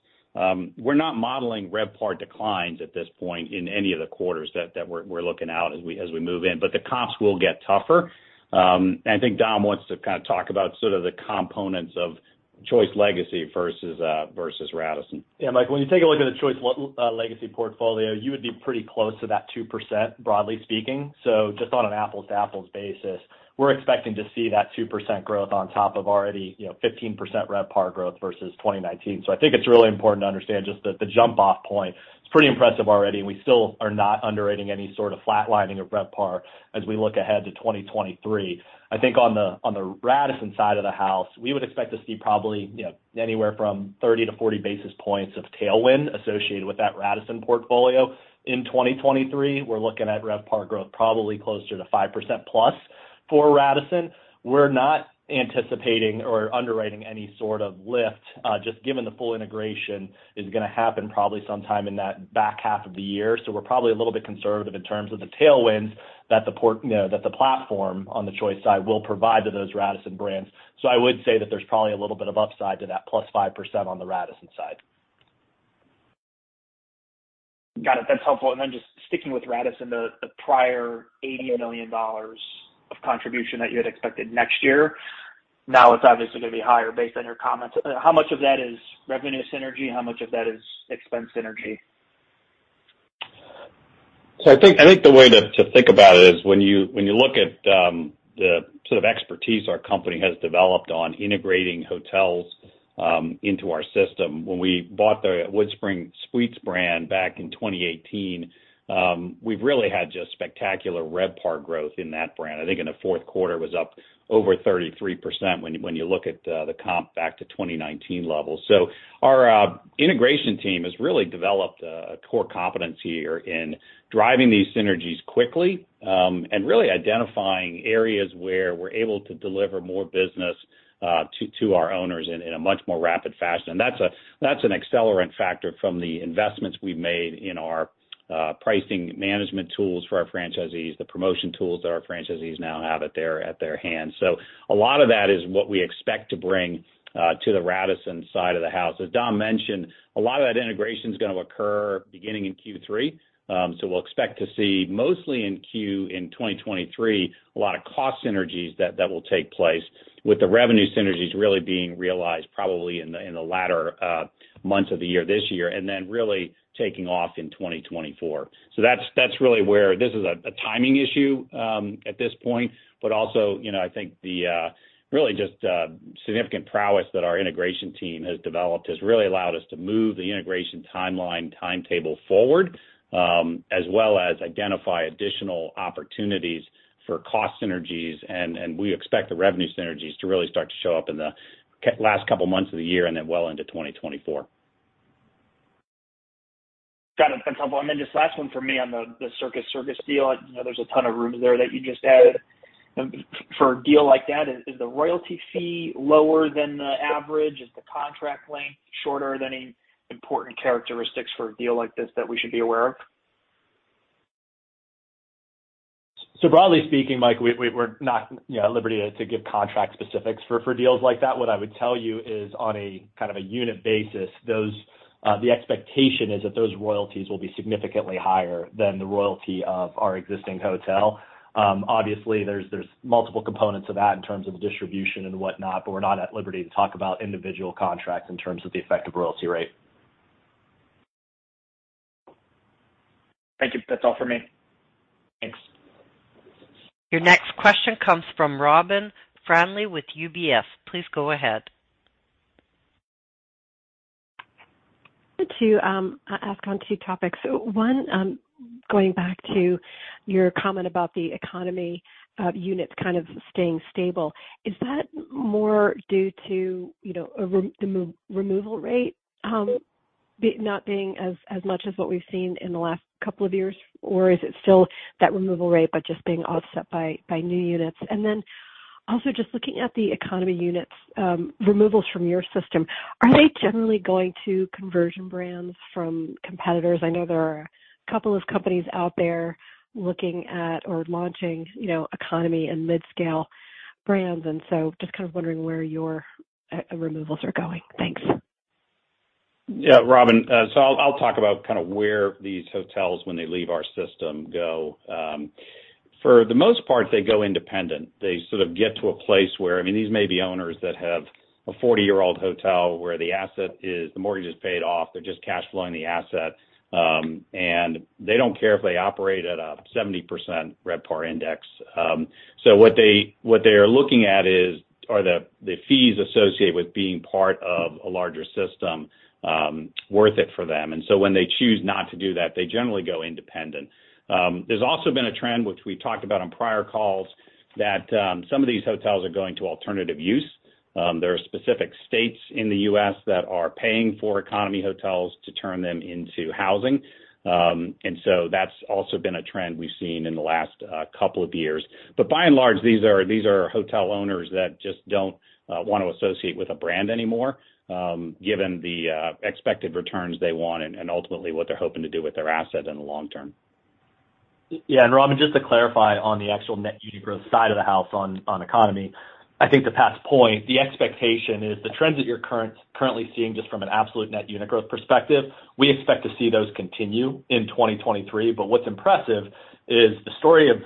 we're not modeling RevPAR declines at this point in any of the quarters that we're looking out as we move in, but the comps will get tougher. I think Dom wants to kind of talk about sort of the components of Choice Legacy versus Radisson. Yeah. Mike, when you take a look at the Choice Legacy portfolio, you would be pretty close to that 2%, broadly speaking. Just on an apples-to-apples basis, we're expecting to see that 2% growth on top of already, you know, 15% RevPAR growth versus 2019. I think it's really important to understand just the jump off point. It's pretty impressive already, and we still are not underwriting any sort of flat lining of RevPAR as we look ahead to 2023. I think on the Radisson side of the house, we would expect to see probably, you know, anywhere from 30 to 40 basis points of tailwind associated with that Radisson portfolio. In 2023, we're looking at RevPAR growth probably closer to 5%+. For Radisson, we're not anticipating or underwriting any sort of lift, just given the full integration is gonna happen probably sometime in that back half of the year. We're probably a little bit conservative in terms of the tailwinds that the you know, that the platform on the Choice side will provide to those Radisson brands. I would say that there's probably a little bit of upside to that +5% on the Radisson side. Got it. That's helpful. Then just sticking with Radisson, the prior $80 million of contribution that you had expected next year, now it's obviously gonna be higher based on your comments. How much of that is revenue synergy? How much of that is expense synergy? I think the way to think about it is when you look at the sort of expertise our company has developed on integrating hotels into our system, when we bought the WoodSpring Suites brand back in 2018, we've really had just spectacular RevPAR growth in that brand. I think in the fourth quarter was up over 33% when you look at the comp back to 2019 levels. Our integration team has really developed a core competency here in driving these synergies quickly and really identifying areas where we're able to deliver more business to our owners in a much more rapid fashion. That's an accelerant factor from the investments we've made in our pricing management tools for our franchisees, the promotion tools that our franchisees now have at their hands. A lot of that is what we expect to bring to the Radisson side of the house. As Dom mentioned, a lot of that integration is gonna occur beginning in Q3, so we'll expect to see mostly in Q in 2023, a lot of cost synergies that will take place, with the revenue synergies really being realized probably in the latter months of the year this year, and then really taking off in 2024. That's really where this is a timing issue, at this point, but also, you know, I think the, really just, significant prowess that our integration team has developed has really allowed us to move the integration timeline timetable forward, as well as identify additional opportunities for cost synergies. We expect the revenue synergies to really start to show up in the last couple months of the year and then well into 2024. Got it. That's helpful. Just last one for me on the Circus Circus deal. I know there's a ton of rooms there that you just added. For a deal like that, is the royalty fee lower than the average? Is the contract length shorter than any important characteristics for a deal like this that we should be aware of? Broadly speaking, Mike, we're not, you know, at liberty to give contract specifics for deals like that. What I would tell you is, on a kind of a unit basis, the expectation is that those royalties will be significantly higher than the royalty of our existing hotel. Obviously, there's multiple components of that in terms of distribution and whatnot, but we're not at liberty to talk about individual contracts in terms of the effective royalty rate. Thank you. That's all for me. Thanks. Your next question comes from Robin Farley with UBS. Please go ahead. To ask on two topics. One, going back to your comment about the economy units kind of staying stable, is that more due to, you know, the removal rate not being as much as what we've seen in the last two years? Is it still that removal rate, but just being offset by new units? Also just looking at the economy units, removals from your system, are they generally going to conversion brands from competitors? I know there are two companies out there looking at or launching, you know, economy and mid-scale brands, just kind of wondering where your removals are going. Thanks. Yeah, Robin. I'll talk about kind of where these hotels, when they leave our system, go. For the most part, they go independent. They sort of get to a place where, I mean, these may be owners that have a 40-year-old hotel where the mortgage is paid off. They're just cash flowing the asset, and they don't care if they operate at a 70% RevPAR index. What they are looking at is, are the fees associated with being part of a larger system, worth it for them. When they choose not to do that, they generally go independent. There's also been a trend which we talked about on prior calls that some of these hotels are going to alternative use. There are specific states in the U.S. that are paying for economy hotels to turn them into housing. That's also been a trend we've seen in the last couple of years. By and large, these are hotel owners that just don't want to associate with a brand anymore, given the expected returns they want and ultimately what they're hoping to do with their asset in the long term. Yeah, Robin, just to clarify on the actual net unit growth side of the house on economy. I think to Pat's point, the expectation is the trends that you're currently seeing just from an absolute net unit growth perspective, we expect to see those continue in 2023, but what's impressive is the story of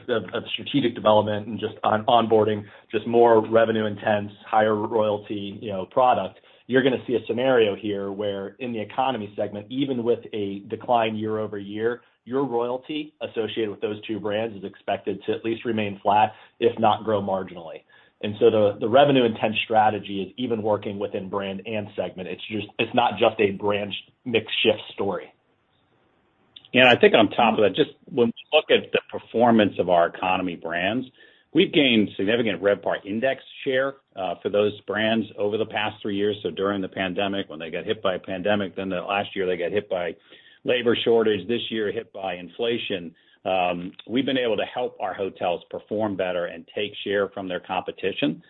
strategic development and just onboarding more revenue-intense, higher royalty, you know, product. You're gonna see a scenario here where in the economy segment, even with a decline year-over-year, your royalty associated with those two brands is expected to at least remain flat, if not grow marginally. The revenue-intense strategy is even working within brand and segment. It's not just a brand mix shift story. I think on top of that, just when we look at the performance of our economy brands, we've gained significant RevPAR index share for those brands over the past three years. During the pandemic, when they got hit by a pandemic, then the last year they got hit by labor shortage, this year hit by inflation, we've been able to help our hotels perform better and take share from their competition.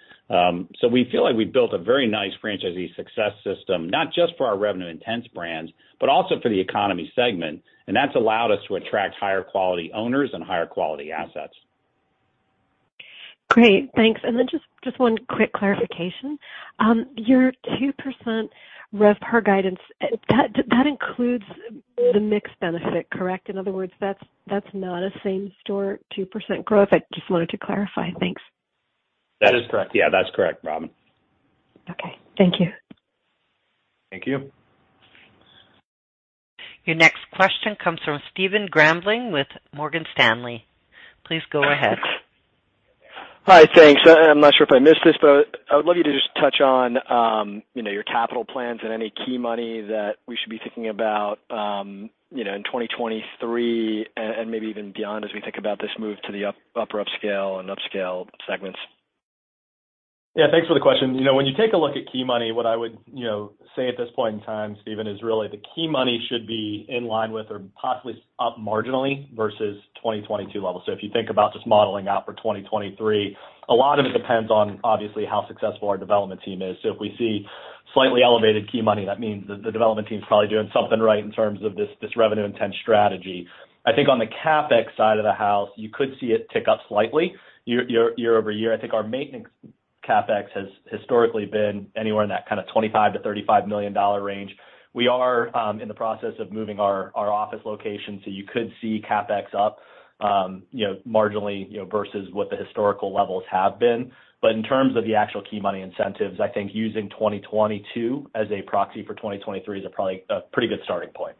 We feel like we've built a very nice franchisee success system, not just for our revenue intense brands, but also for the economy segment. That's allowed us to attract higher quality owners and higher quality assets. Great. Thanks. Then just one quick clarification. Your 2% RevPAR guidance, that includes the mixed benefit, correct? In other words, that's not a same-store 2% growth. I just wanted to clarify. Thanks. That is correct. Yeah, that's correct, Robin. Okay. Thank you. Thank you. Your next question comes from Stephen Grambling with Morgan Stanley. Please go ahead. Hi. Thanks. I'm not sure if I missed this, but I would love you to just touch on, you know, your capital plans and any key money that we should be thinking about, you know, in 2023 and maybe even beyond as we think about this move to the upper upscale and upscale segments. Yeah, thanks for the question. You know, when you take a look at key money, what I would, you know, say at this point in time, Stephen, is really the key money should be in line with or possibly up marginally versus 2022 levels. If you think about just modeling out for 2023, a lot of it depends on obviously how successful our development team is. If we see slightly elevated key money, that means that the development team is probably doing something right in terms of this revenue intent strategy. I think on the CapEx side of the house, you could see it tick up slightly year-over-year. I think our maintenance CapEx has historically been anywhere in that kind of $25 million-$35 million range. We are in the process of moving our office location, so you could see CapEx up, you know, marginally, you know, versus what the historical levels have been. In terms of the actual key money incentives, I think using 2022 as a proxy for 2023 is a probably a pretty good starting point.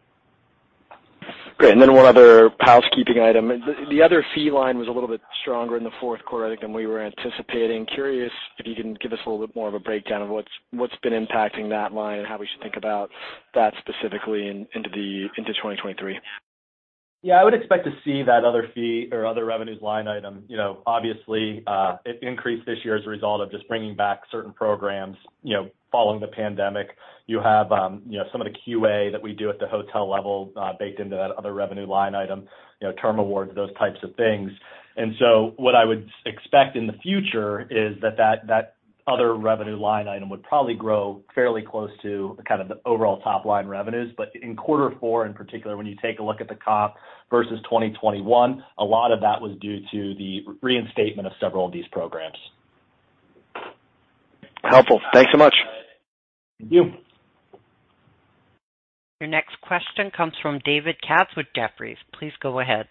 Great. One other housekeeping item. The other fee line was a little bit stronger in the fourth quarter than we were anticipating. Curious if you can give us a little bit more of a breakdown of what's been impacting that line and how we should think about that specifically into 2023. I would expect to see that other fee or other revenues line item. You know, obviously, it increased this year as a result of just bringing back certain programs, you know, following the pandemic. You have, you know, some of the QA that we do at the hotel level, baked into that other revenue line item, you know, term awards, those types of things. What I would expect in the future is that other revenue line item would probably grow fairly close to kind of the overall top line revenues. In quarter four, in particular, when you take a look at the comp versus 2021, a lot of that was due to the reinstatement of several of these programs. Helpful. Thanks so much. Thank you. Your next question comes from David Katz with Jefferies. Please go ahead.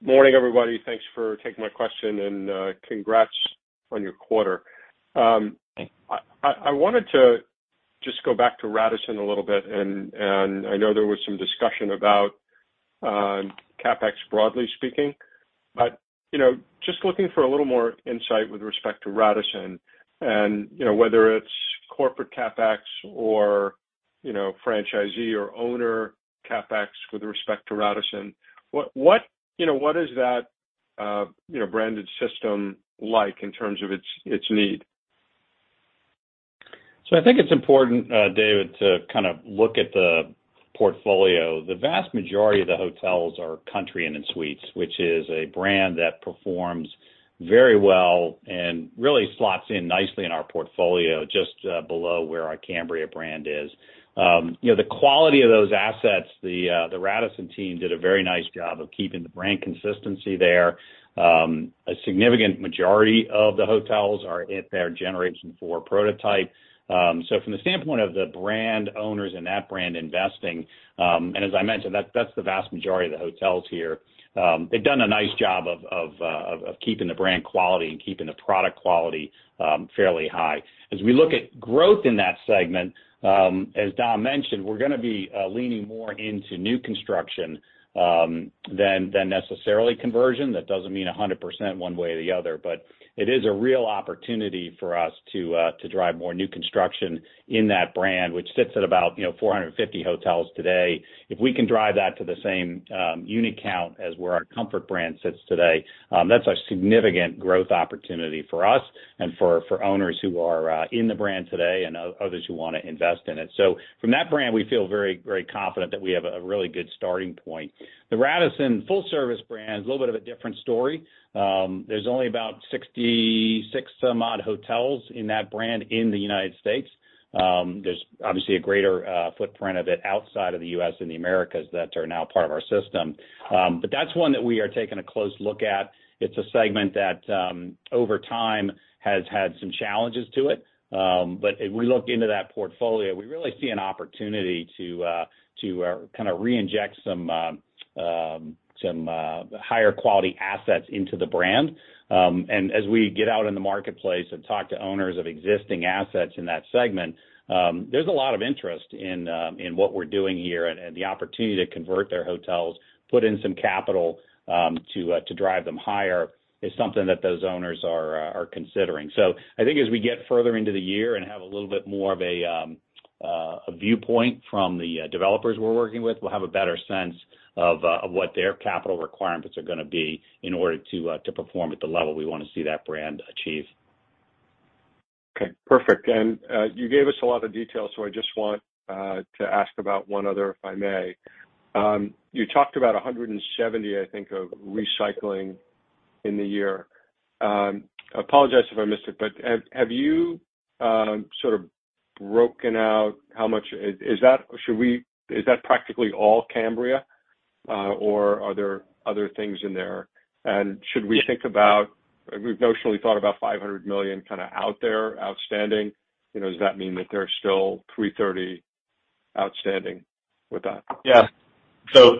Morning, everybody. Thanks for taking my question, and congrats on your quarter. I wanted to just go back to Radisson a little bit, and I know there was some discussion about CapEx broadly speaking. You know, just looking for a little more insight with respect to Radisson and, you know, whether it's corporate CapEx or, you know, franchisee or owner CapEx with respect to Radisson. What, you know, what is that, you know, branded system like in terms of its need? I think it's important, David, to kind of look at the portfolio. The vast majority of the hotels are Country Inn & Suites, which is a brand that performs very well and really slots in nicely in our portfolio, just below where our Cambria brand is. You know, the quality of those assets, the Radisson team did a very nice job of keeping the brand consistency there. A significant majority of the hotels are at their generation four prototype. From the standpoint of the brand owners and that brand investing, and as I mentioned, that's the vast majority of the hotels here. They've done a nice job of keeping the brand quality and keeping the product quality fairly high. As we look at growth in that segment, as Dom mentioned, we're gonna be leaning more into new construction than necessarily conversion. That doesn't mean 100% one way or the other, but it is a real opportunity for us to drive more new construction in that brand, which sits at about, you know, 450 hotels today. If we can drive that to the same unit count as where our Comfort brand sits today, that's a significant growth opportunity for us and for owners who are in the brand today and others who wanna invest in it. From that brand, we feel very confident that we have a really good starting point. The Radisson full service brand is a little bit of a different story. There's only about 66 some odd hotels in that brand in the United States. There's obviously a greater footprint of it outside of the U.S. and the Americas that are now part of our system. That's one that we are taking a close look at. It's a segment that, over time has had some challenges to it. If we look into that portfolio, we really see an opportunity to kind of reinject some higher quality assets into the brand. As we get out in the marketplace and talk to owners of existing assets in that segment, there's a lot of interest in what we're doing here and the opportunity to convert their hotels, put in some capital to drive them higher is something that those owners are considering. I think as we get further into the year and have a little bit more of a viewpoint from the developers we're working with, we'll have a better sense of what their capital requirements are gonna be in order to perform at the level we wanna see that brand achieve. Okay, perfect. You gave us a lot of detail, so I just want to ask about one other, if I may. You talked about $170 million, I think, of recycling in the year. I apologize if I missed it, have you sort of broken out how much? Is that practically all Cambria, or are there other things in there? Should we think about? We've notionally thought about $500 million kinda out there, outstanding. You know, does that mean that there's still $330 million outstanding with that? Yeah. The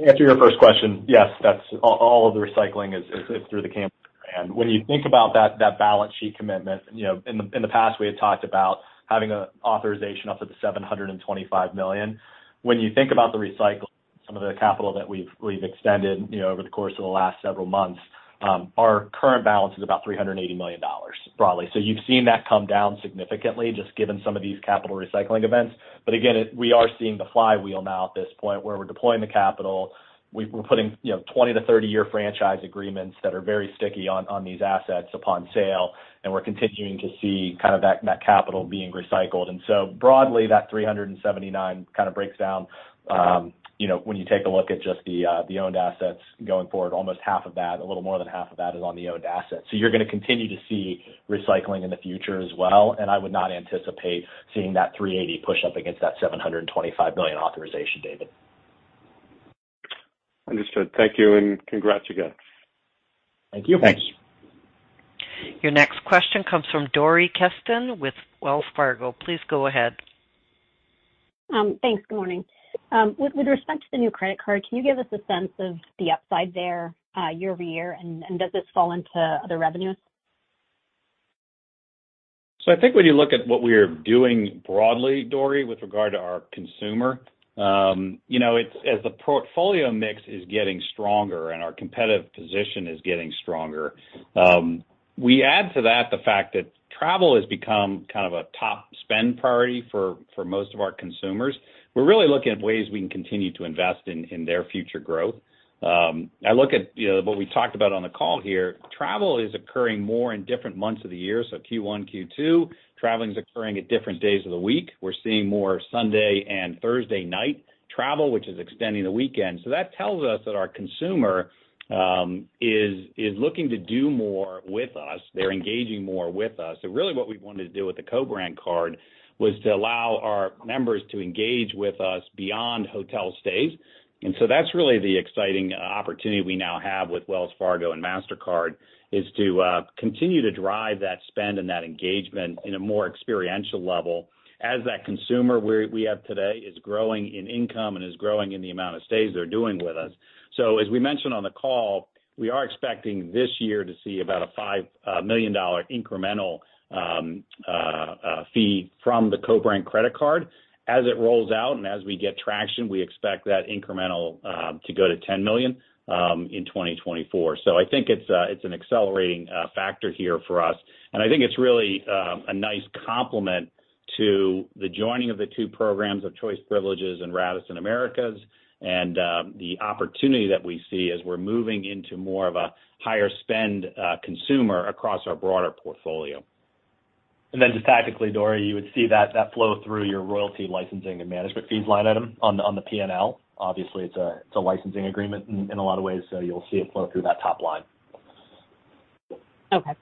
answer to your first question, yes, that's all of the recycling is through the Cambria brand. When you think about that balance sheet commitment, you know, in the past we had talked about having a authorization up to $725 million. When you think about the recycling, some of the capital that we've extended, you know, over the course of the last several months, our current balance is about $380 million broadly. You've seen that come down significantly just given some of these capital recycling events. Again, we are seeing the flywheel now at this point where we're deploying the capital. We're putting, you know, 20-30 year franchise agreements that are very sticky on these assets upon sale, and we're continuing to see that capital being recycled. Broadly, that $379 million kind of breaks down, you know, when you take a look at just the owned assets going forward, almost half of that, a little more than half of that is on the owned assets. You're gonna continue to see recycling in the future as well, and I would not anticipate seeing that $380 million push up against that $725 million authorization, David. Understood. Thank you, and congrats again. Thank you. Thanks. Your next question comes from Dori Kesten with Wells Fargo. Please go ahead. Thanks. Good morning. With respect to the new credit card, can you give us a sense of the upside there, year-over-year? Does this fall into other revenues? I think when you look at what we are doing broadly, Dori, with regard to our consumer, you know, it's, as the portfolio mix is getting stronger, and our competitive position is getting stronger, we add to that the fact that travel has become kind of a top spend priority for most of our consumers. We're really looking at ways we can continue to invest in their future growth. I look at, you know, what we talked about on the call here, travel is occurring more in different months of the year, so Q1, Q2. Traveling's occurring at different days of the week. We're seeing more Sunday and Thursday night travel, which is extending the weekend. That tells us that our consumer is looking to do more with us. They're engaging more with us. Really what we wanted to do with the cobranded credit card was to allow our members to engage with us beyond hotel stays. That's really the exciting opportunity we now have with Wells Fargo and Mastercard, is to continue to drive that spend, and that engagement in a more experiential level as that consumer we have today is growing in income, and is growing in the amount of stays they're doing with us. As we mentioned on the call, we are expecting this year to see about a $5 million incremental fee from the cobranded credit card. As it rolls out and as we get traction, we expect that incremental to go to $10 million in 2024. I think it's an accelerating factor here for us. I think it's really, a nice complement to the joining of the two programs of Choice Privileges and Radisson Americas, and, the opportunity that we see as we're moving into more of a higher spend, consumer across our broader portfolio. Just tactically, Dori, you would see that flow through your royalty licensing and management fees line item on the P&L. Obviously, it's a licensing agreement in a lot of ways, you'll see it flow through that top line. Okay.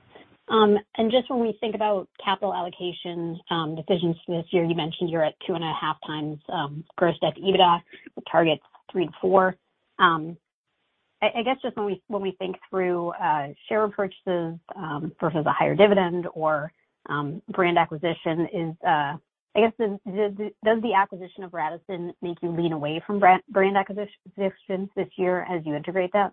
Just when we think about capital allocation, decisions for this year, you mentioned you're at 2.5x, grossed EBITDA with targets 3x-4x. I guess just when we think through, share purchases, versus a higher dividend or, brand acquisition is, I guess, does the acquisition of Radisson make you lean away from brand acquisition this year as you integrate that?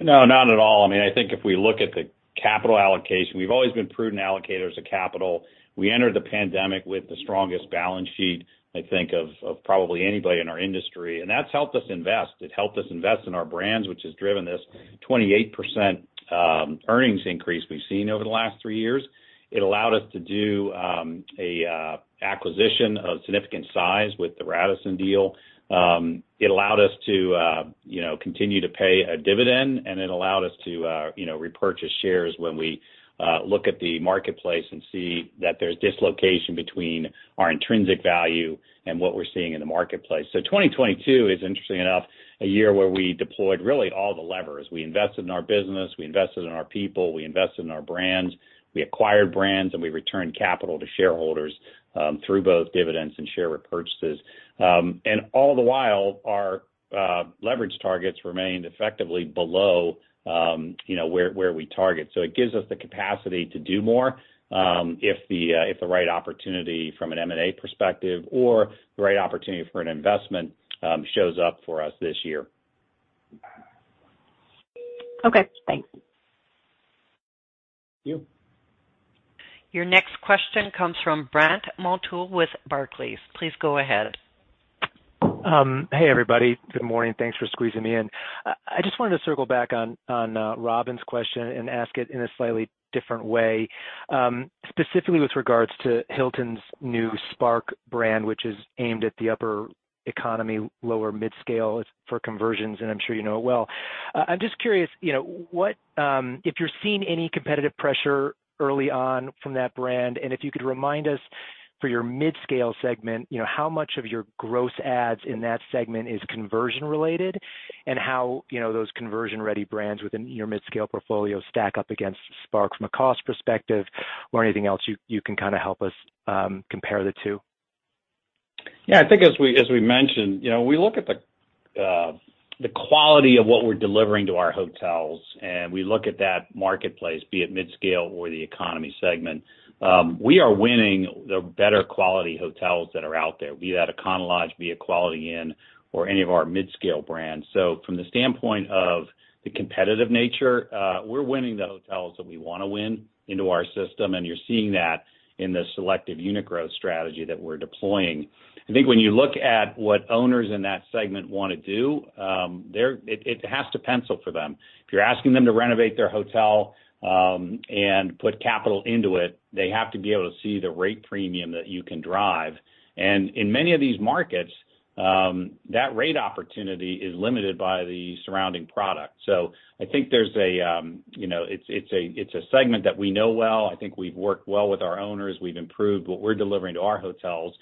No, not at all. I mean, I think if we look at the capital allocation, we've always been prudent allocators of capital. We entered the pandemic with the strongest balance sheet, I think, of probably anybody in our industry, and that's helped us invest. It helped us invest in our brands, which has driven this 28% earnings increase we've seen over the last three years. It allowed us to do an acquisition of significant size with the Radisson deal. It allowed us to, you know, continue to pay a dividend, and it allowed us to, you know, repurchase shares when we look at the marketplace and see that there's dislocation between our intrinsic value, and what we're seeing in the marketplace. 2022 is, interestingly enough, a year where we deployed really all the levers. We invested in our business. We invested in our people. We invested in our brands. We acquired brands. We returned capital to shareholders, through both dividends and share repurchases. All the while, our leverage targets remained effectively below, you know, where we target. It gives us the capacity to do more, if the right opportunity from an M&A perspective or the right opportunity for an investment, shows up for us this year. Okay, thanks. Thank you. Your next question comes from Brandt Montour with Barclays. Please go ahead. Hey, everybody. Good morning. Thanks for squeezing me in. I just wanted to circle back on Robin's question and ask it in a slightly different way, specifically with regards to Hilton's new Spark brand, which is aimed at the upper economy, lower mid-scale for conversions, and I'm sure you know it well. I'm just curious, you know, what, if you're seeing any competitive pressure early on from that brand, and if you could remind us? For your midscale segment, you know, how much of your gross adds in that segment is conversion related? How, you know, those conversion ready brands within your midscale portfolio stack up against Spark from a cost perspective or anything else you can kind of help us compare the two? Yeah, I think as we mentioned, you know, we look at the quality of what we're delivering to our hotels and we look at that marketplace, be it midscale or the economy segment. We are winning the better quality hotels that are out there, be it at Econo Lodge, be it Quality Inn or any of our midscale brands. From the standpoint of the competitive nature, we're winning the hotels that we wanna win into our system, and you're seeing that in the selective unit growth strategy that we're deploying. I think when you look at what owners in that segment wanna do, it has to pencil for them. If you're asking them to renovate their hotel, and put capital into it, they have to be able to see the rate premium that you can drive. In many of these markets, that rate opportunity is limited by the surrounding product. I think there's a, you know, it's a segment that we know well. I think we've worked well with our owners. We've improved what we're delivering to our hotels.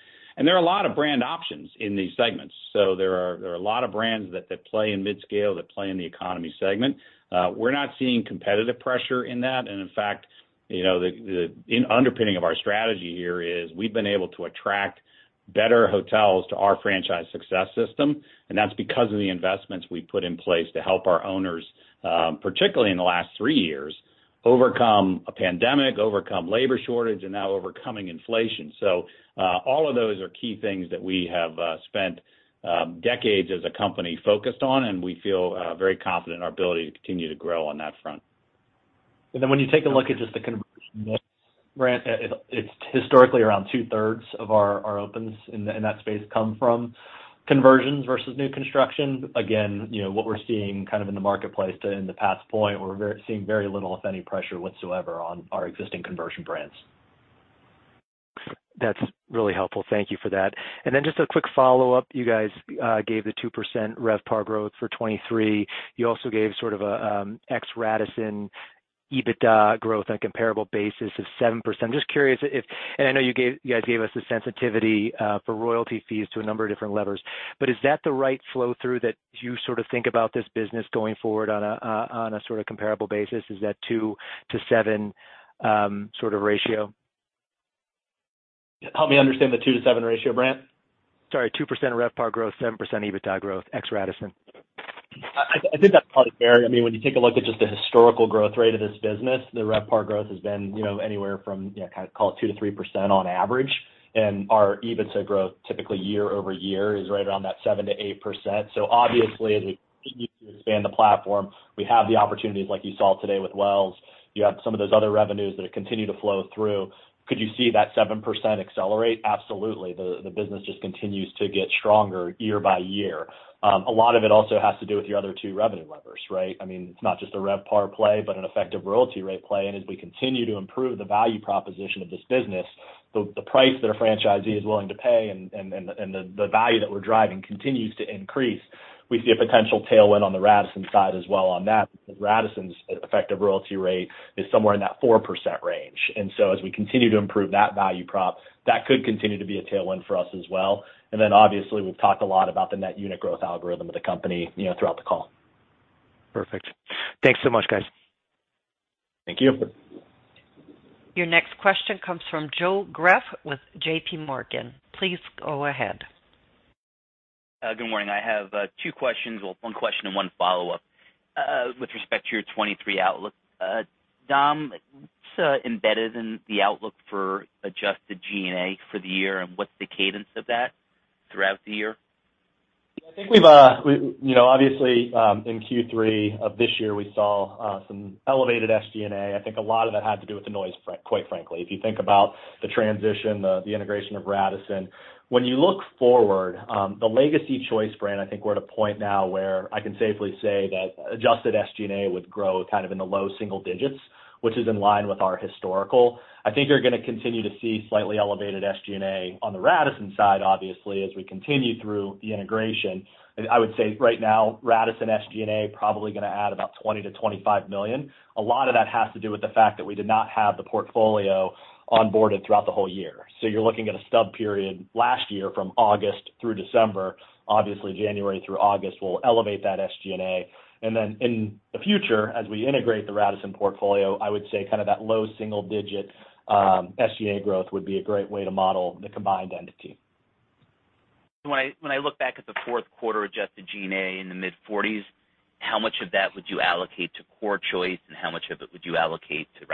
There are a lot of brand options in these segments. There are a lot of brands that play in midscale, that play in the economy segment. We're not seeing competitive pressure in that. In fact, you know, the underpinning of our strategy here is we've been able to attract better hotels to our franchise success system. That's because of the investments we put in place to help our owners, particularly in the last three years, overcome a pandemic, overcome labor shortage, and now overcoming inflation. All of those are key things that we have spent decades as a company focused on, and we feel very confident in our ability to continue to grow on that front. When you take a look at just the conversion brand, it's historically around two-thirds of our opens in that, in that space come from conversions versus new construction. You know, what we're seeing kind of in the marketplace in the past point, we're seeing very little, if any pressure whatsoever on our existing conversion brands. That's really helpful. Thank you for that. Just a quick follow-up. You guys gave the 2% RevPAR growth for 2023. You also gave sort of a ex Radisson EBITDA growth on comparable basis of 7%. I'm just curious if. I know you guys gave us the sensitivity for royalty fees to a number of different levers, but is that the right flow through that you sort of think about this business going forward on a on a sort of comparable basis? Is that 2%-7% sort of ratio? Help me understand the 2%-7% ratio, Brant. Sorry, 2% RevPAR growth, 7% EBITDA growth, ex Radisson. I think that's probably fair. I mean, when you take a look at just the historical growth rate of this business, the RevPAR growth has been, you know, anywhere from, you know, kind of call it 2%-3% on average. Our EBITDA growth typically year-over-year is right around that 7%-8%. Obviously, as we continue to expand the platform, we have the opportunities like you saw today with Wells. You have some of those other revenues that continue to flow through. Could you see that 7% accelerate? Absolutely. The business just continues to get stronger year by year. A lot of it also has to do with your other two revenue levers, right? I mean, it's not just a RevPAR play, but an effective royalty rate play. As we continue to improve the value proposition of this business, the price that a franchisee is willing to pay and the value that we're driving continues to increase. We see a potential tailwind on the Radisson side as well on that because Radisson's effective royalty rate is somewhere in that 4% range. As we continue to improve that value prop, that could continue to be a tailwind for us as well. Obviously, we've talked a lot about the net unit growth algorithm of the company, you know, throughout the call. Perfect. Thanks so much, guys. Thank you. Your next question comes from Joe Greff with JPMorgan. Please go ahead. Good morning. I have two questions. Well, one question and one follow-up. With respect to your 2023 outlook, Dom, what's embedded in the outlook for adjusted G&A for the year, and what's the cadence of that throughout the year? I think we've, we, you know, obviously, in Q3 of this year, we saw some elevated SG&A. I think a lot of that had to do with the noise, quite frankly. If you think about the transition, the integration of Radisson, when you look forward, the legacy Choice brand, I think we're at a point now where I can safely say that adjusted SG&A would grow kind of in the low single digits, which is in line with our historical. I think you're gonna continue to see slightly elevated SG&A on the Radisson side, obviously, as we continue through the integration. I would say right now, Radisson SG&A probably gonna add about $20 million-$25 million. A lot of that has to do with the fact that we did not have the portfolio onboarded throughout the whole year. You're looking at a stub period last year from August through December. Obviously, January through August will elevate that SG&A. In the future, as we integrate the Radisson portfolio, I would say kind of that low single digit SG&A growth would be a great way to model the combined entity. When I look back at the fourth quarter adjusted G&A in the mid-40s, how much of that would you allocate to core Choice and how much of it would you allocate to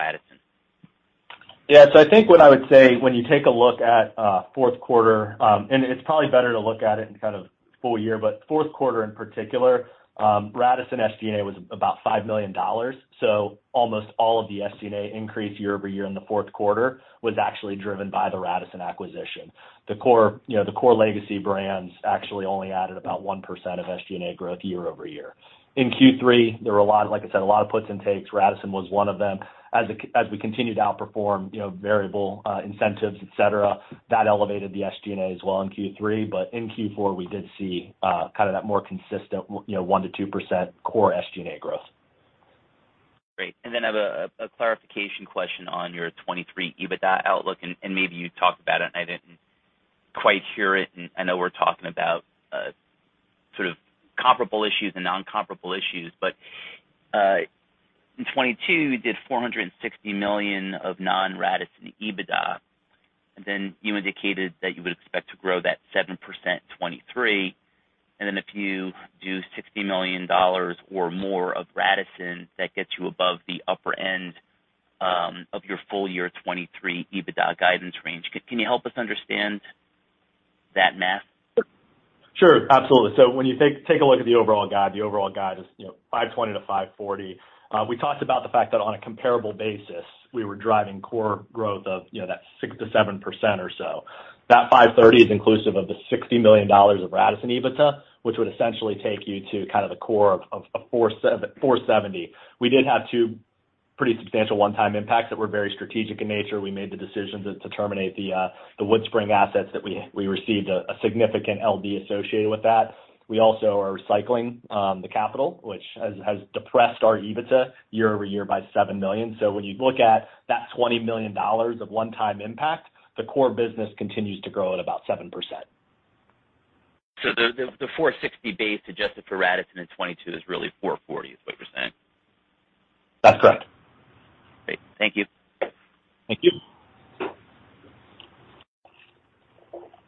Radisson? I think what I would say when you take a look at fourth quarter, and it's probably better to look at it in kind of full year, but fourth quarter in particular, Radisson SG&A was about $5 million. Almost all of the SG&A increase year-over-year in the fourth quarter was actually driven by the Radisson acquisition. The core, you know, the core legacy brands actually only added about 1% of SG&A growth year-over-year. In Q3, there were a lot, like I said, a lot of puts and takes. Radisson was one of them. As we continue to outperform, you know, variable incentives, et cetera, that elevated the SG&A as well in Q3. In Q4, we did see kind of that more consistent, you know, 1%-2% core SG&A growth. Great. I have a clarification question on your 2023 EBITDA outlook, and maybe you talked about it and I didn't quite hear it. I know we're talking about comparable issues and non-comparable issues. In 2022, you did $460 million of non-Radisson EBITDA. You indicated that you would expect to grow that 7% 2023. If you do $60 million or more of Radisson, that gets you above the upper end of your full year 2023 EBITDA guidance range. Can you help us understand that math? Sure, absolutely. When you take a look at the overall guide, the overall guide is, you know, $520 million-$540 million. We talked about the fact that on a comparable basis, we were driving core growth of, you know, that 6%-7% or so. That $530 million is inclusive of the $60 million of Radisson EBITDA, which would essentially take you to kind of the core of $470 million. We did have two pretty substantial one-time impacts that were very strategic in nature. We made the decision to terminate the WoodSpring assets that we received a significant LD associated with that. We also are recycling the capital, which has depressed our EBITDA year-over-year by $7 million. When you look at that $20 million of one-time impact, the core business continues to grow at about 7%. The $460 million base adjusted for Radisson in 2022 is really $440 million is what you're saying? That's correct. Great. Thank you. Thank you.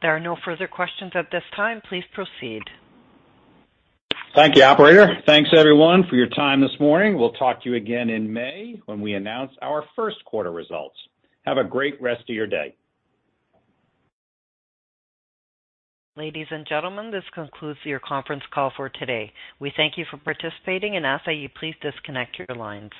There are no further questions at this time. Please proceed. Thank you, operator. Thanks everyone for your time this morning. We'll talk to you again in May when we announce our first quarter results. Have a great rest of your day. Ladies and gentlemen, this concludes your conference call for today. We thank you for participating and ask that you please disconnect your lines.